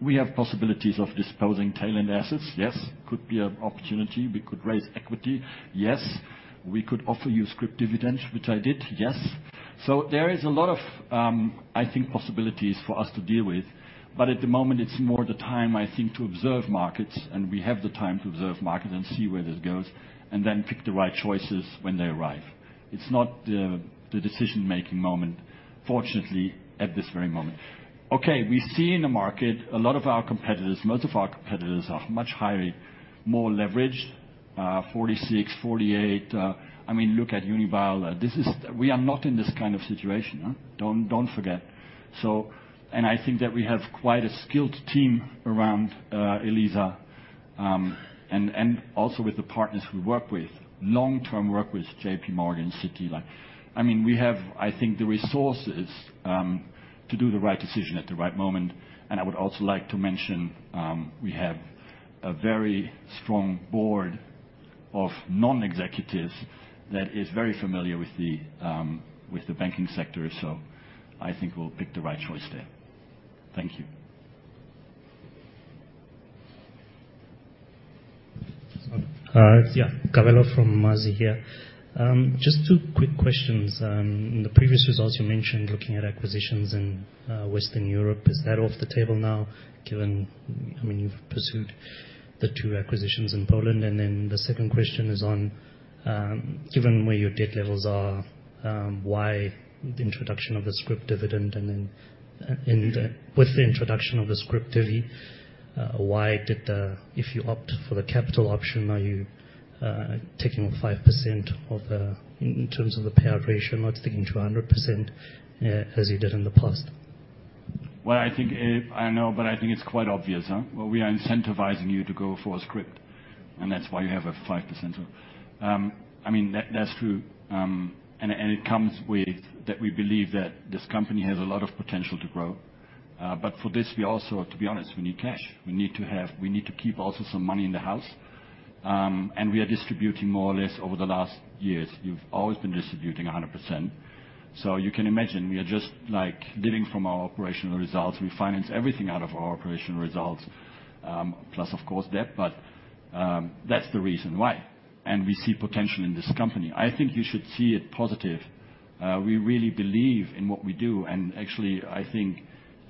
We have possibilities of disposing tail end assets. Yes, could be an opportunity. We could raise equity. Yes. We could offer you scrip dividends, which I did. Yes. There is a lot of, I think, possibilities for us to deal with. At the moment, it's more the time, I think, to observe markets, and we have the time to observe markets and see where this goes, and then pick the right choices when they arrive. It's not the decision-making moment, fortunately, at this very moment. Okay, we see in the market a lot of our competitors. Most of our competitors are much highly more leveraged, 46%, 48%. I mean, look at Unibail. We are not in this kind of situation, huh? Don't forget. I think that we have quite a skilled team around Elisa, and also with the partners we work with, long-term work with JPMorgan, Citi. Like, I mean, we have, I think, the resources to do the right decision at the right moment. I would also like to mention, we have a very strong board of non-executives that is very familiar with the banking sector. I think we'll pick the right choice there. Thank you. Yeah. Cavello from Mazi here. Just two quick questions. In the previous results you mentioned looking at acquisitions in Western Europe. Is that off the table now given you've pursued the two acquisitions in Poland? The second question is on given where your debt levels are, why the introduction of the scrip dividend and then with the introduction of the scrip divvy, why if you opt for the capital option, are you taking 5% of the in terms of the payout ratio, or sticking to 100% as you did in the past? I think, I know, but I think it's quite obvious, huh? We are incentivizing you to go for a scrip, and that's why you have a 5%. I mean, that's true. It comes with that we believe that this company has a lot of potential to grow. For this, we also, to be honest, we need cash. We need to keep also some money in the house. We are distributing more or less over the last years. We've always been distributing 100%. You can imagine we are just, like, living from our operational results. We finance everything out of our operational results, plus of course debt, but that's the reason why. We see potential in this company. I think you should see it positive. We really believe in what we do, and actually, I think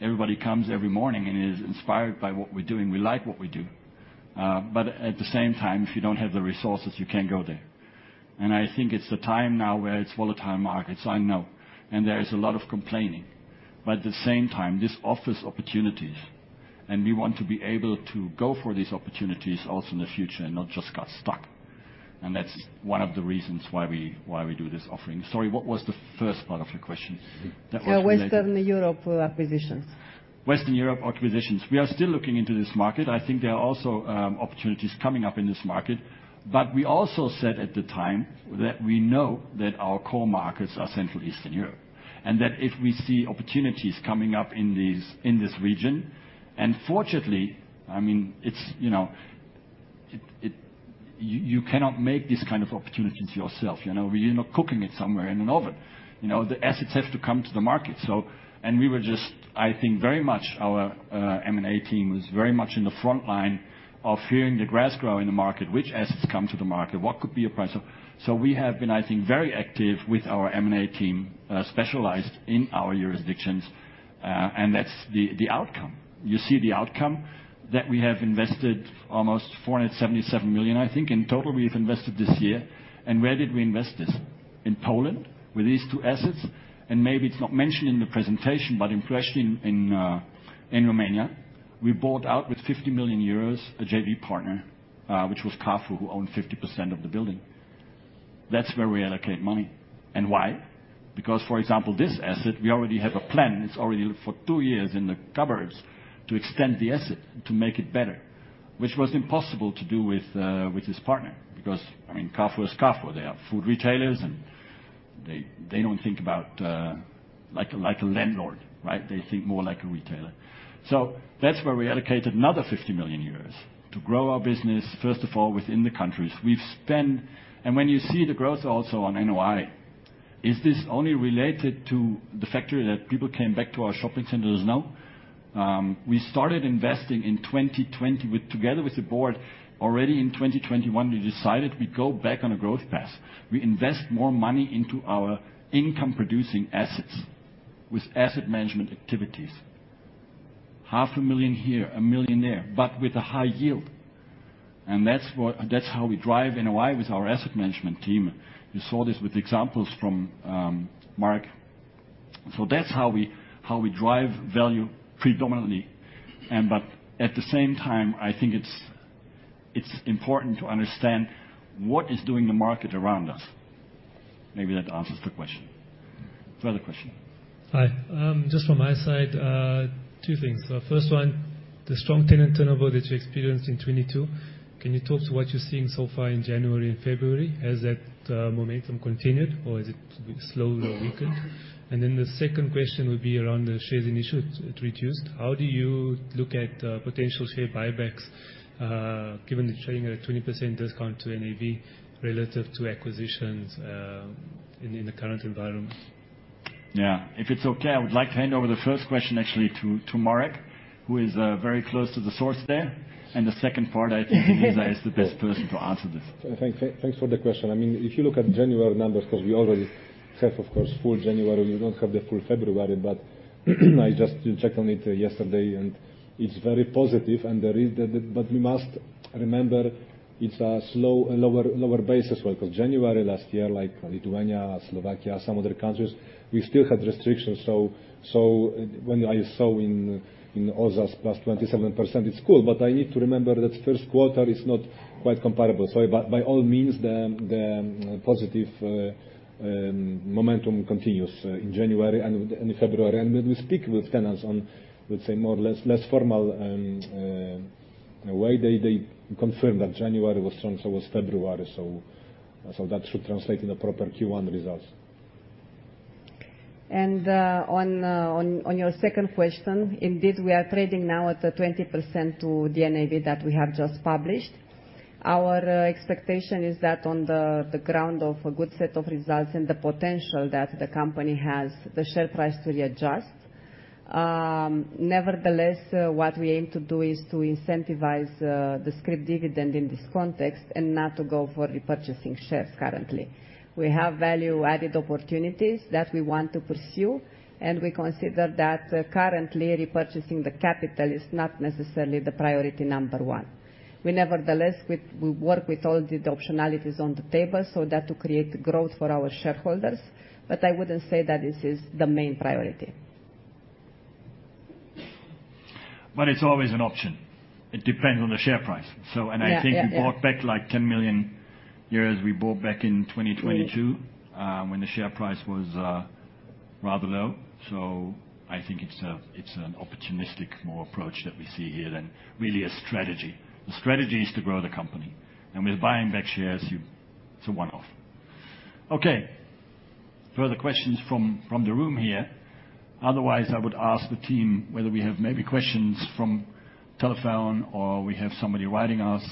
everybody comes every morning and is inspired by what we're doing. We like what we do. At the same time, if you don't have the resources, you can't go there. I think it's the time now where it's volatile markets. I know. There is a lot of complaining. At the same time, this offers opportunities, and we want to be able to go for these opportunities also in the future and not just got stuck. That's one of the reasons why we do this offering. Sorry, what was the first part of your question that was related? Western Europe acquisitions. Western Europe acquisitions. We are still looking into this market. I think there are also opportunities coming up in this market. We also said at the time that we know that our core markets are Central Eastern Europe, and that if we see opportunities coming up in this region. Unfortunately, I mean, it's, you know, it. You cannot make these kind of opportunities yourself. You know, we are not cooking it somewhere in an oven. You know, the assets have to come to the market. We were just, I think, very much our M&A team was very much in the front line of hearing the grass grow in the market, which assets come to the market, what could be a price of. We have been, I think, very active with our M&A team, specialized in our jurisdictions. That's the outcome. You see the outcome that we have invested almost 477 million, I think, in total we've invested this year. Where did we invest this? In Poland, with these two assets. Maybe it's not mentioned in the presentation, but especially in Romania, we bought out with 50 million euros a JV partner, which was Carrefour, who owned 50% of the building. That's where we allocate money. Why? Because, for example, this asset, we already have a plan. It's already for two years in the cupboards to extend the asset to make it better, which was impossible to do with this partner. Because, I mean, Carrefour is Carrefour. They are food retailers, and they don't think about like a landlord, right? They think more like a retailer. That's where we allocated another 50 million euros to grow our business, first of all, within the countries. When you see the growth also on NOI, is this only related to the factory that people came back to our shopping centers? No. We started investing in 2020 together with the board. Already in 2021, we decided we go back on a growth path. We invest more money into our income-producing assets with asset management activities. Half a million here, 1 million there, but with a high yield. That's how we drive NOI with our asset management team. You saw this with examples from Marek. That's how we drive value predominantly. At the same time, I think it's important to understand what is doing the market around us. Maybe that answers the question. Further question. Hi. Just from my side, two things. First one, the strong tenant turnover that you experienced in 2022, can you talk to what you're seeing so far in January and February? Has that momentum continued, or is it slowly weakened? The second question would be around the reduced. How do you look at potential share buybacks, given it's trading at a 20% discount to NAV relative to acquisitions, in the current environment? Yeah. If it's okay, I would like to hand over the first question actually to Marek, who is very close to the source there. The second part, I think Eliza is the best person to answer this. Thanks. Thanks for the question. I mean, if you look at January numbers, because we already have, of course, full January, we don't have the full February. I just checked on it yesterday, and it's very positive. There is the. We must remember it's a slow and lower base as well. January last year, like Lithuania, Slovakia, some other countries, we still had restrictions. When I saw in Ozas +27%, it's cool. I need to remember that first quarter is not quite comparable. By all means, the positive momentum continues in January and February. When we speak with tenants on, let's say, more or less formal way, they confirm that January was strong, so was February. That should translate in the proper Q1 results. On your second question, indeed, we are trading now at the 20% to the NAV that we have just published. Our expectation is that on the ground of a good set of results and the potential that the company has, the share price to readjust. Nevertheless, what we aim to do is to incentivize the scrip dividend in this context and not to go for repurchasing shares currently. We have value-added opportunities that we want to pursue, and we consider that currently repurchasing the capital is not necessarily the priority number one. Nevertheless, we work with all the optionalities on the table so that to create growth for our shareholders. I wouldn't say that this is the main priority. It's always an option. It depends on the share price. Yeah. Yeah. Yeah. I think we bought back like 10 million euros we bought back in 2022. Yes. when the share price was rather low. I think it's a, it's an opportunistic more approach that we see here than really a strategy. The strategy is to grow the company. With buying back shares, it's a one-off. Okay. Further questions from the room here. Otherwise, I would ask the team whether we have maybe questions from telephone or we have somebody writing us.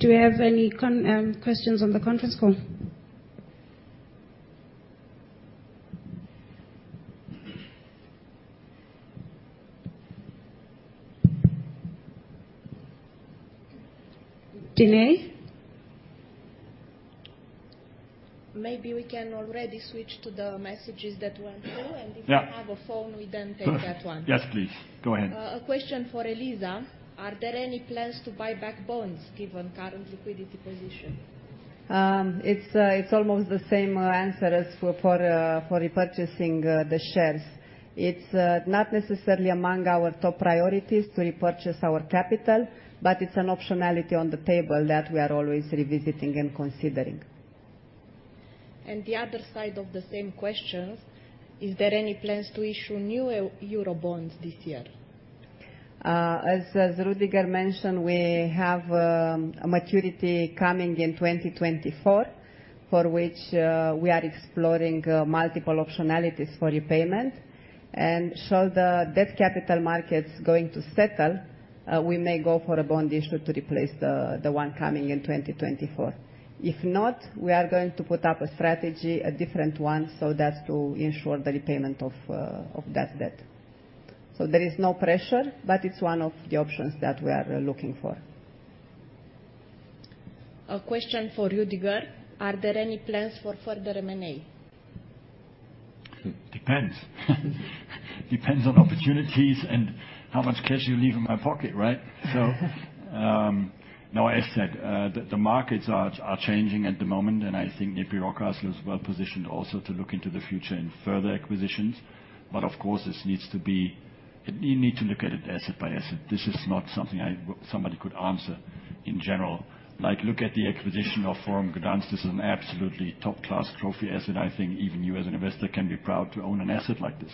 Do we have any questions on the conference call? Delay. Maybe we can already switch to the messages that went through. Yeah. If we have a phone, we then take that one. Yes, please. Go ahead. A question for Eliza. Are there any plans to buy back bonds given current liquidity position? It's almost the same answer as for repurchasing the shares. It's not necessarily among our top priorities to repurchase our capital, but it's an optionality on the table that we are always revisiting and considering. The other side of the same question, is there any plans to issue new Euro bonds this year? As Rüdiger mentioned, we have a maturity coming in 2024, for which we are exploring multiple optionalities for repayment. Should the debt capital markets going to settle, we may go for a bond issue to replace the one coming in 2024. If not, we are going to put up a strategy, a different one, so that's to ensure the repayment of that debt. There is no pressure, but it's one of the options that we are looking for. A question for Rüdiger: Are there any plans for further M&A? Depends. Depends on opportunities and how much cash you leave in my pocket, right? No, as said, the markets are changing at the moment, and I think NEPI Rockcastle is well positioned also to look into the future and further acquisitions. Of course, this needs to be, you need to look at it asset by asset. This is not something somebody could answer in general. Like, look at the acquisition of Forum Gdańsk. This is an absolutely top-class trophy asset. I think even you as an investor can be proud to own an asset like this.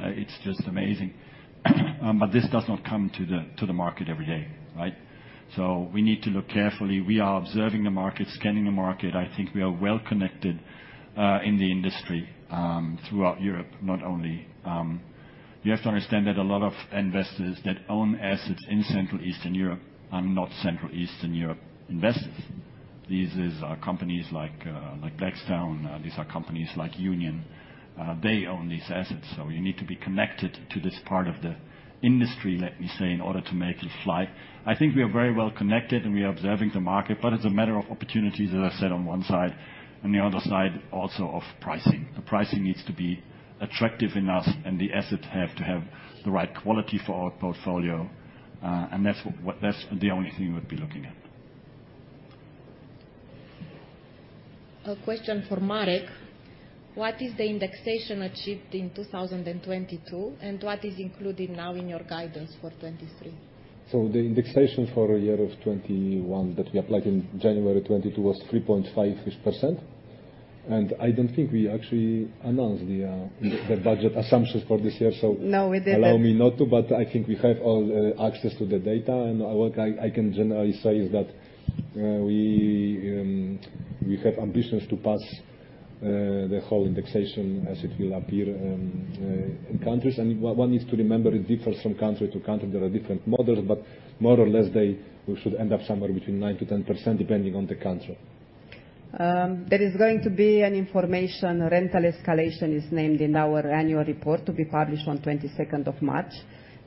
It's just amazing. This does not come to the market every day, right? We need to look carefully. We are observing the market, scanning the market. I think we are well connected in the industry throughout Europe, not only. You have to understand that a lot of investors that own assets in Central Eastern Europe are not Central Eastern Europe investors. These are companies like Blackstone. These are companies like Union. They own these assets, so you need to be connected to this part of the industry, let me say, in order to make it fly. I think we are very well connected, and we are observing the market, but it's a matter of opportunities, as I said on one side, and the other side also of pricing. The pricing needs to be attractive enough, and the assets have to have the right quality for our portfolio. That's the only thing we'd be looking at. A question for Marek. What is the indexation achieved in 2022, and what is included now in your guidance for 2023? The indexation for year of 2021 that we applied in January 2022 was 3.5%-ish. I don't think we actually announced the budget assumptions for this year. No, we didn't. Allow me not to, but I think we have all access to the data. What I can generally say is that we have ambitions to pass the whole indexation as it will appear in countries. One needs to remember it differs from country to country. There are different models, but more or less, we should end up somewhere between 9% to 10%, depending on the country. There is going to be an information. Rental escalation is named in our annual report to be published on 22nd of March.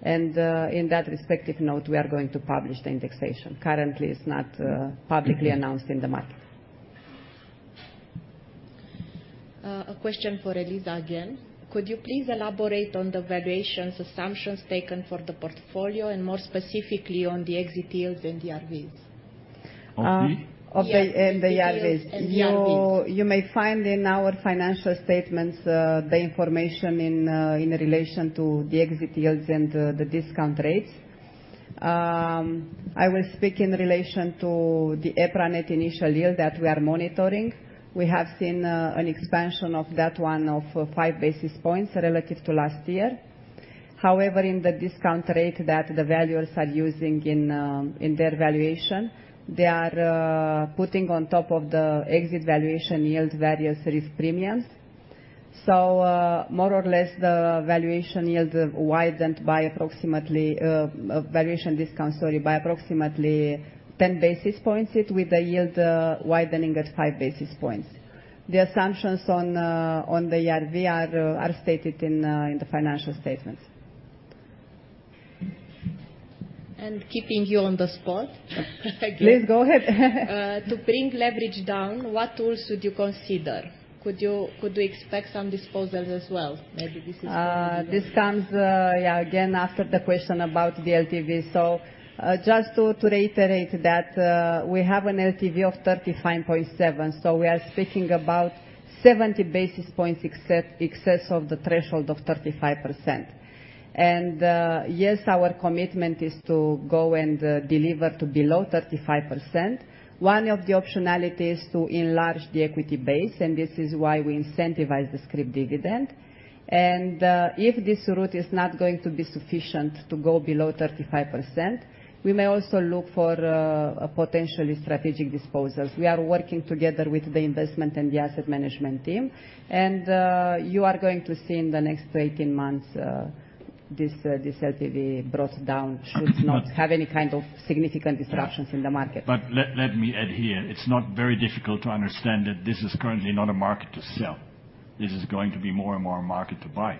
In that respective note, we are going to publish the indexation. Currently, it's not publicly announced in the market. A question for Eliza again. Could you please elaborate on the valuations assumptions taken for the portfolio and more specifically on the exit yields and the RVs? Of the? Yes. Of the, and the RVs. Exit yields and the RVs. You may find in our financial statements, the information in relation to the exit yields and the discount rates. I will speak in relation to the EPRA Net Initial Yield that we are monitoring. We have seen an expansion of that one of five basis points relative to last year. In the discount rate that the valuers are using in their valuation, they are putting on top of the exit valuation yields various risk premiums. More or less, the valuation yields have widened by approximately valuation discount, sorry, by approximately 10 basis points with the yield widening at 5 basis points. The assumptions on the RV are stated in the financial statements. keeping you on the spot again. Please go ahead. To bring leverage down, what tools would you consider? Could you expect some disposals as well? This comes again after the question about the LTV. Just to reiterate that we have an LTV of 35.7, we are speaking about 70 basis points excess of the threshold of 35%. Yes, our commitment is to go and deliver to below 35%. One of the optionalities to enlarge the equity base, and this is why we incentivize the scrip dividend. If this route is not going to be sufficient to go below 35%, we may also look for potentially strategic disposals. We are working together with the investment and the asset management team, you are going to see in the next 18 months this LTV brought down should not have any kind of significant disruptions in the market. Let me add here, it's not very difficult to understand that this is currently not a market to sell. This is going to be more and more a market to buy.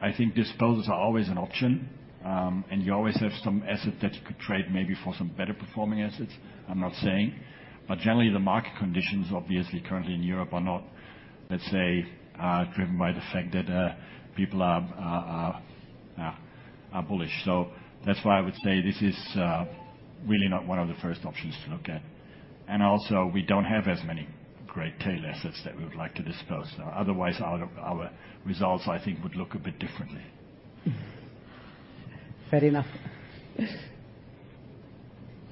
I think disposals are always an option, and you always have some asset that you could trade maybe for some better performing assets, I'm not saying. Generally, the market conditions, obviously currently in Europe are not, let's say, driven by the fact that people are bullish. That's why I would say this is really not one of the first options to look at. Also, we don't have as many great tail assets that we would like to dispose. Otherwise, our results, I think, would look a bit differently. Fair enough.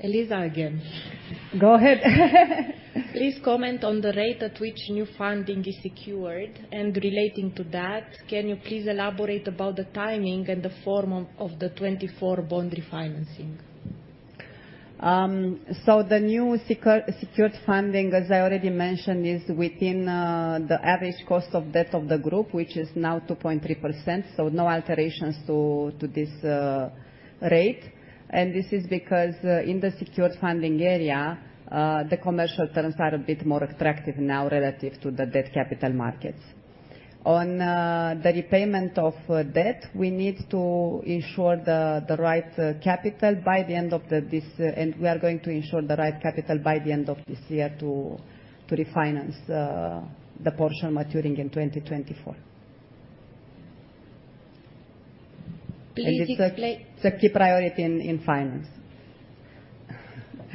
Eliza again. Go ahead. Please comment on the rate at which new funding is secured, and relating to that, can you please elaborate about the timing and the form of the 24 bond refinancing? The new secured funding, as I already mentioned, is within the average cost of debt of the group, which is now 2.3%, no alterations to this rate. This is because in the secured funding area, the commercial terms are a bit more attractive now relative to the debt capital markets. On the repayment of debt, we are going to ensure the right capital by the end of this year to refinance the portion maturing in 2024. Please explain. It's a key priority in finance.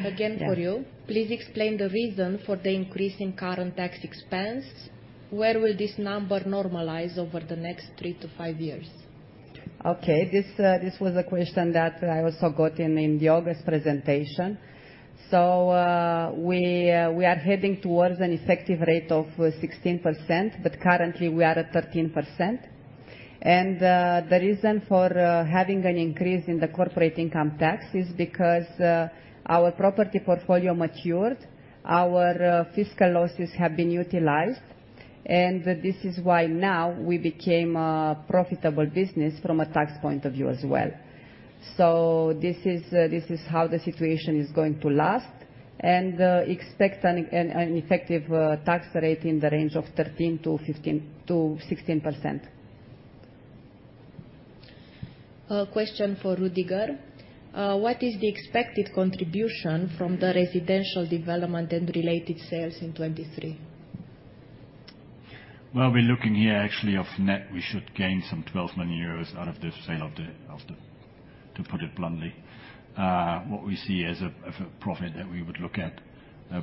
Again for you. Yeah. Please explain the reason for the increase in current tax expense. Where will this number normalize over the next three to five years? Okay. This was a question that I also got in the August presentation. We are heading towards an effective rate of 16%, but currently we are at 13%. The reason for having an increase in the corporate income tax is because our property portfolio matured, our fiscal losses have been utilized, and this is why now we became a profitable business from a tax point of view as well. This is how the situation is going to last, and expect an effective tax rate in the range of 13% to 16%. A question for Rüdiger. What is the expected contribution from the residential development and related sales in 2023? We're looking here actually of net, we should gain some 12 million euros out of the sale of the, to put it bluntly, what we see as a, as a profit that we would look at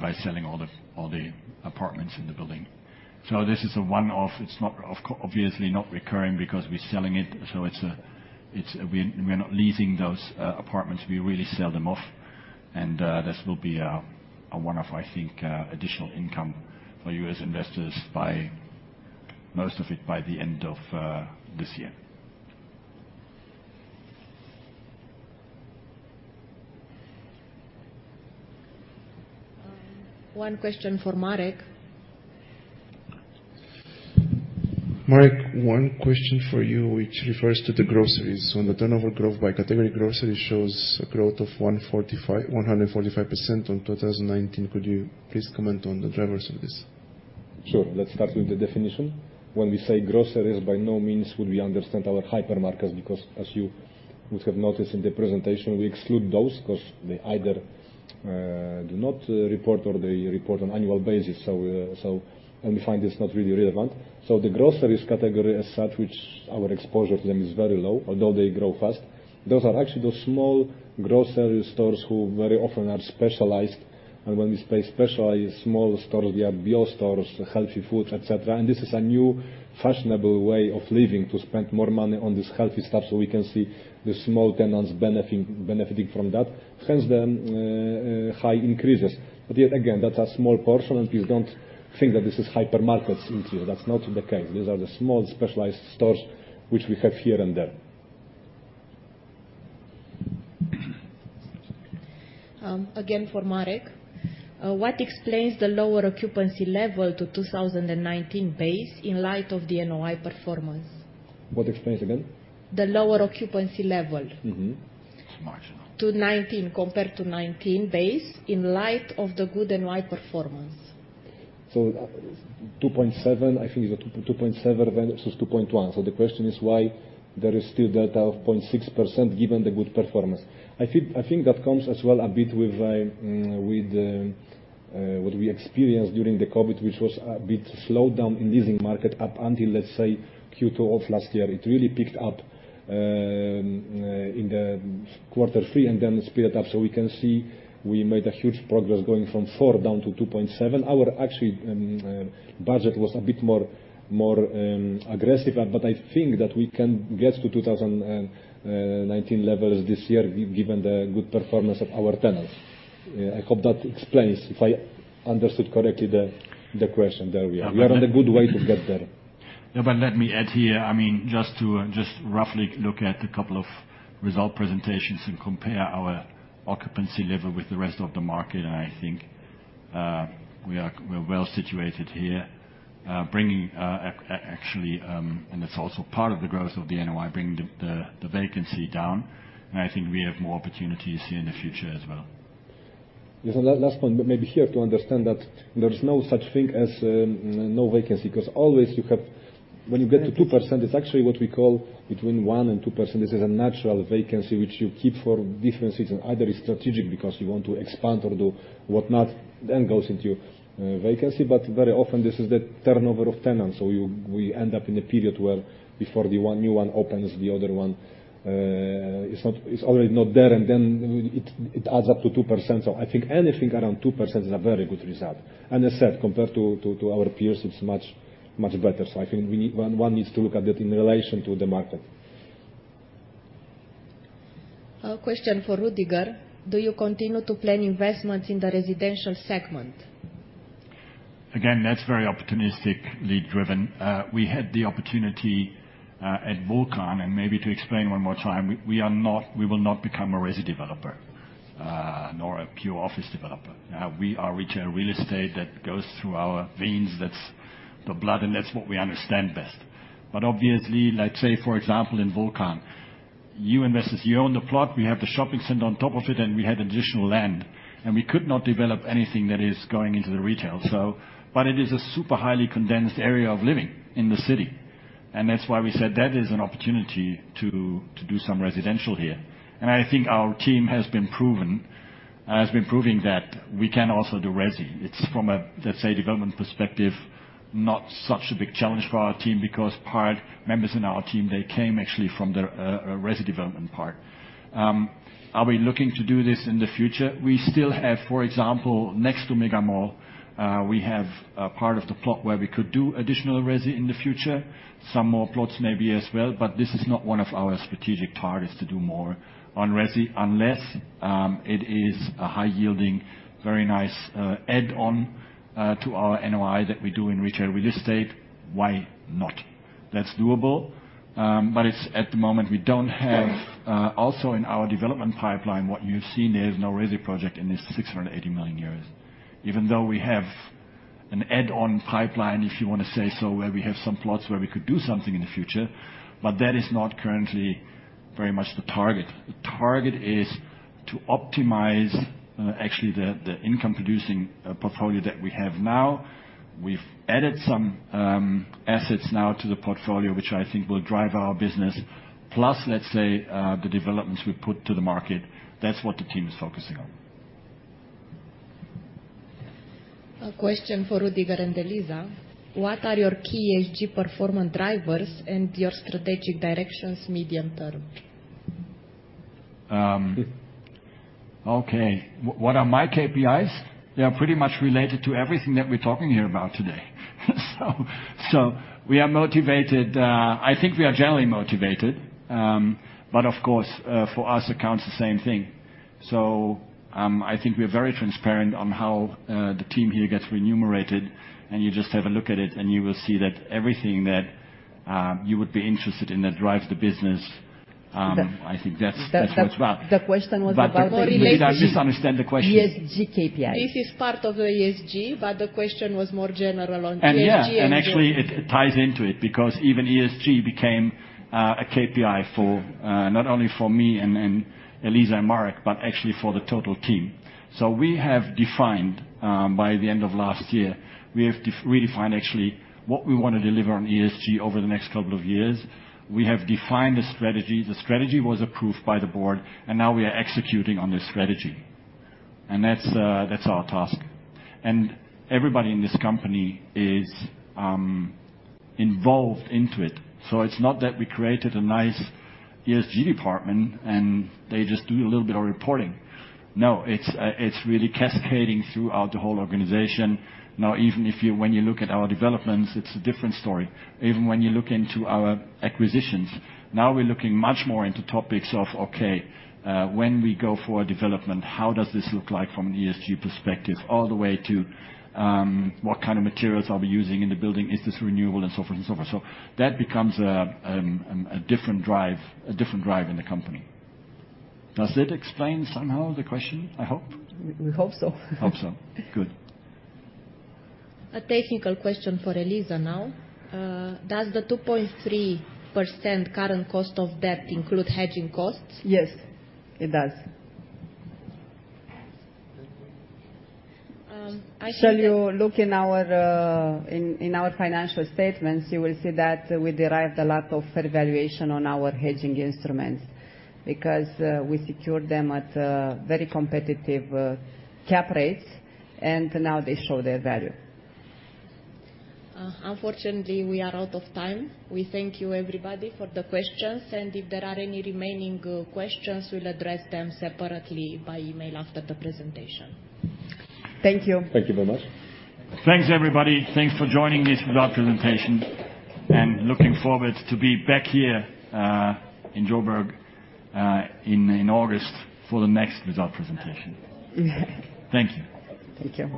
by selling all the, all the apartments in the building. So this is a one-off. It's not obviously not recurring because we're selling it, so it's, we're not leasing those apartments. We really sell them off, and this will be a one-off, I think, additional income for you as investors by, most of it by the end of this year. One question for Marek. Marek, one question for you which refers to the groceries. On the turnover growth by category, grocery shows a growth of 145% on 2019. Could you please comment on the drivers of this? Sure. Let's start with the definition. When we say groceries, by no means would we understand our hypermarkets, because as you would have noticed in the presentation, we exclude those because they either do not report or they report on annual basis. We find this not really relevant. The groceries category as such, which our exposure to them is very low, although they grow fast, those are actually the small grocery stores who very often are specialized. When we say specialized small stores, we have bio stores, healthy food, et cetera. This is a new fashionable way of living to spend more money on this healthy stuff, so we can see the small tenants benefiting from that. Hence the high increases. Yet again, that's a small portion, and please don't think that this is hypermarkets into. That's not the case. These are the small specialized stores which we have here and there. Again for Marek. What explains the lower occupancy level to 2019 base in light of the NOI performance? What explains again? The lower occupancy level. Mm-hmm. It's marginal. To 19, compared to 19 base in light of the good NOI performance. 2.7. I think it was 2.7, then it was 2.1. The question is why there is still delta of 0.6% given the good performance. I think that comes as well a bit with what we experienced during the COVID, which was a bit slowed down in leasing market up until, let's say, Q2 of last year. It really picked up in Q3 and then sped up. We can see we made a huge progress going from four down to 2.7. Our actually budget was a bit more aggressive, but I think that we can get to 2019 levels this year given the good performance of our tenants. I hope that explains, if I understood correctly, the question. There we are. Okay. We are on a good way to get there. Let me add here. I mean, just roughly look at a couple of result presentations and compare our occupancy level with the rest of the market. I think, we're well situated here, bringing actually. That's also part of the growth of the NOI, bringing the vacancy down. I think we have more opportunities here in the future as well. Yes, last one, maybe here to understand that there is no such thing as no vacancy, because always. Thank you. When you get to 2%, it's actually what we call between 1% and 2%. This is a natural vacancy which you keep for different reasons. Either it's strategic because you want to expand or do whatnot, then goes into vacancy. Very often, this is the turnover of tenants, we end up in a period where before the one new one opens, the other one is already not there, and then it adds up to 2%. I think anything around 2% is a very good result. As said, compared to our peers, it's much, much better. I think one needs to look at it in relation to the market. A question for Rüdiger. Do you continue to plan investments in the residential segment? Again, that's very opportunistically driven. We had the opportunity at Vulcan, and maybe to explain one more time, we will not become a resi developer, nor a pure office developer. We are retail real estate that goes through our veins, that's the blood, and that's what we understand best. Obviously, let's say for example in Vulcan, you investors, you own the plot, we have the shopping center on top of it, and we had additional land, and we could not develop anything that is going into the retail. It is a super highly condensed area of living in the city, and that's why we said that is an opportunity to do some residential here. I think our team has been proven, has been proving that we can also do resi. It's from a, let's say, development perspective, not such a big challenge for our team because part members in our team, they came actually from the resi development part. Are we looking to do this in the future? We still have, for example, next to Mega Mall, we have a part of the plot where we could do additional resi in the future, some more plots maybe as well. This is not one of our strategic targets to do more on resi, unless it is a high-yielding, very nice add-on to our NOI that we do in retail real estate. Why not? That's doable, but it's at the moment we don't have also in our development pipeline, what you've seen, there is no resi project in this 680 million. Even though we have an add-on pipeline, if you wanna say so, where we have some plots where we could do something in the future, but that is not currently very much the target. The target is to optimize, actually the income-producing, portfolio that we have now. We've added some, assets now to the portfolio, which I think will drive our business. Plus, let's say, the developments we put to the market. That's what the team is focusing on. A question for Rüdiger and Eliza: What are your key ESG performance drivers and your strategic directions medium term? Okay. What are my KPIs? They are pretty much related to everything that we're talking here about today. We are motivated. I think we are generally motivated. Of course, for us accounts the same thing. I think we're very transparent on how the team here gets remunerated, and you just have a look at it and you will see that everything that you would be interested in that drives the business, I think that's what's about. The question was. Maybe I misunderstand the question. ESG KPIs. This is part of the ESG, but the question was more general on ESG and-. Yeah, and actually it ties into it because even ESG became a KPI for not only for me and then Eliza and Marek, but actually for the total team. We have defined by the end of last year, we have redefined actually what we wanna deliver on ESG over the next couple of years. We have defined the strategy. The strategy was approved by the board, and now we are executing on this strategy. That's that's our task. Everybody in this company is involved into it. It's not that we created a nice ESG department and they just do a little bit of reporting. No. It's really cascading throughout the whole organization. Even when you look at our developments, it's a different story. Even when you look into our acquisitions. Now we're looking much more into topics of, okay, when we go for a development, how does this look like from an ESG perspective, all the way to, what kind of materials are we using in the building? Is this renewable? So forth and so forth. That becomes a different drive, a different drive in the company. Does it explain somehow the question, I hope? We hope so. Hope so. Good. A technical question for Eliza now. Does the 2.3% current cost of debt include hedging costs? Yes, it does. Um. Shall you look in our financial statements, you will see that we derived a lot of fair valuation on our hedging instruments because we secured them at very competitive cap rates, and now they show their value. Unfortunately, we are out of time. We thank you everybody for the questions. If there are any remaining questions, we'll address them separately by email after the presentation. Thank you. Thank you very much. Thanks, everybody. Thanks for joining this result presentation and looking forward to be back here, in Joburg, in August for the next result presentation. Thank you. Take care.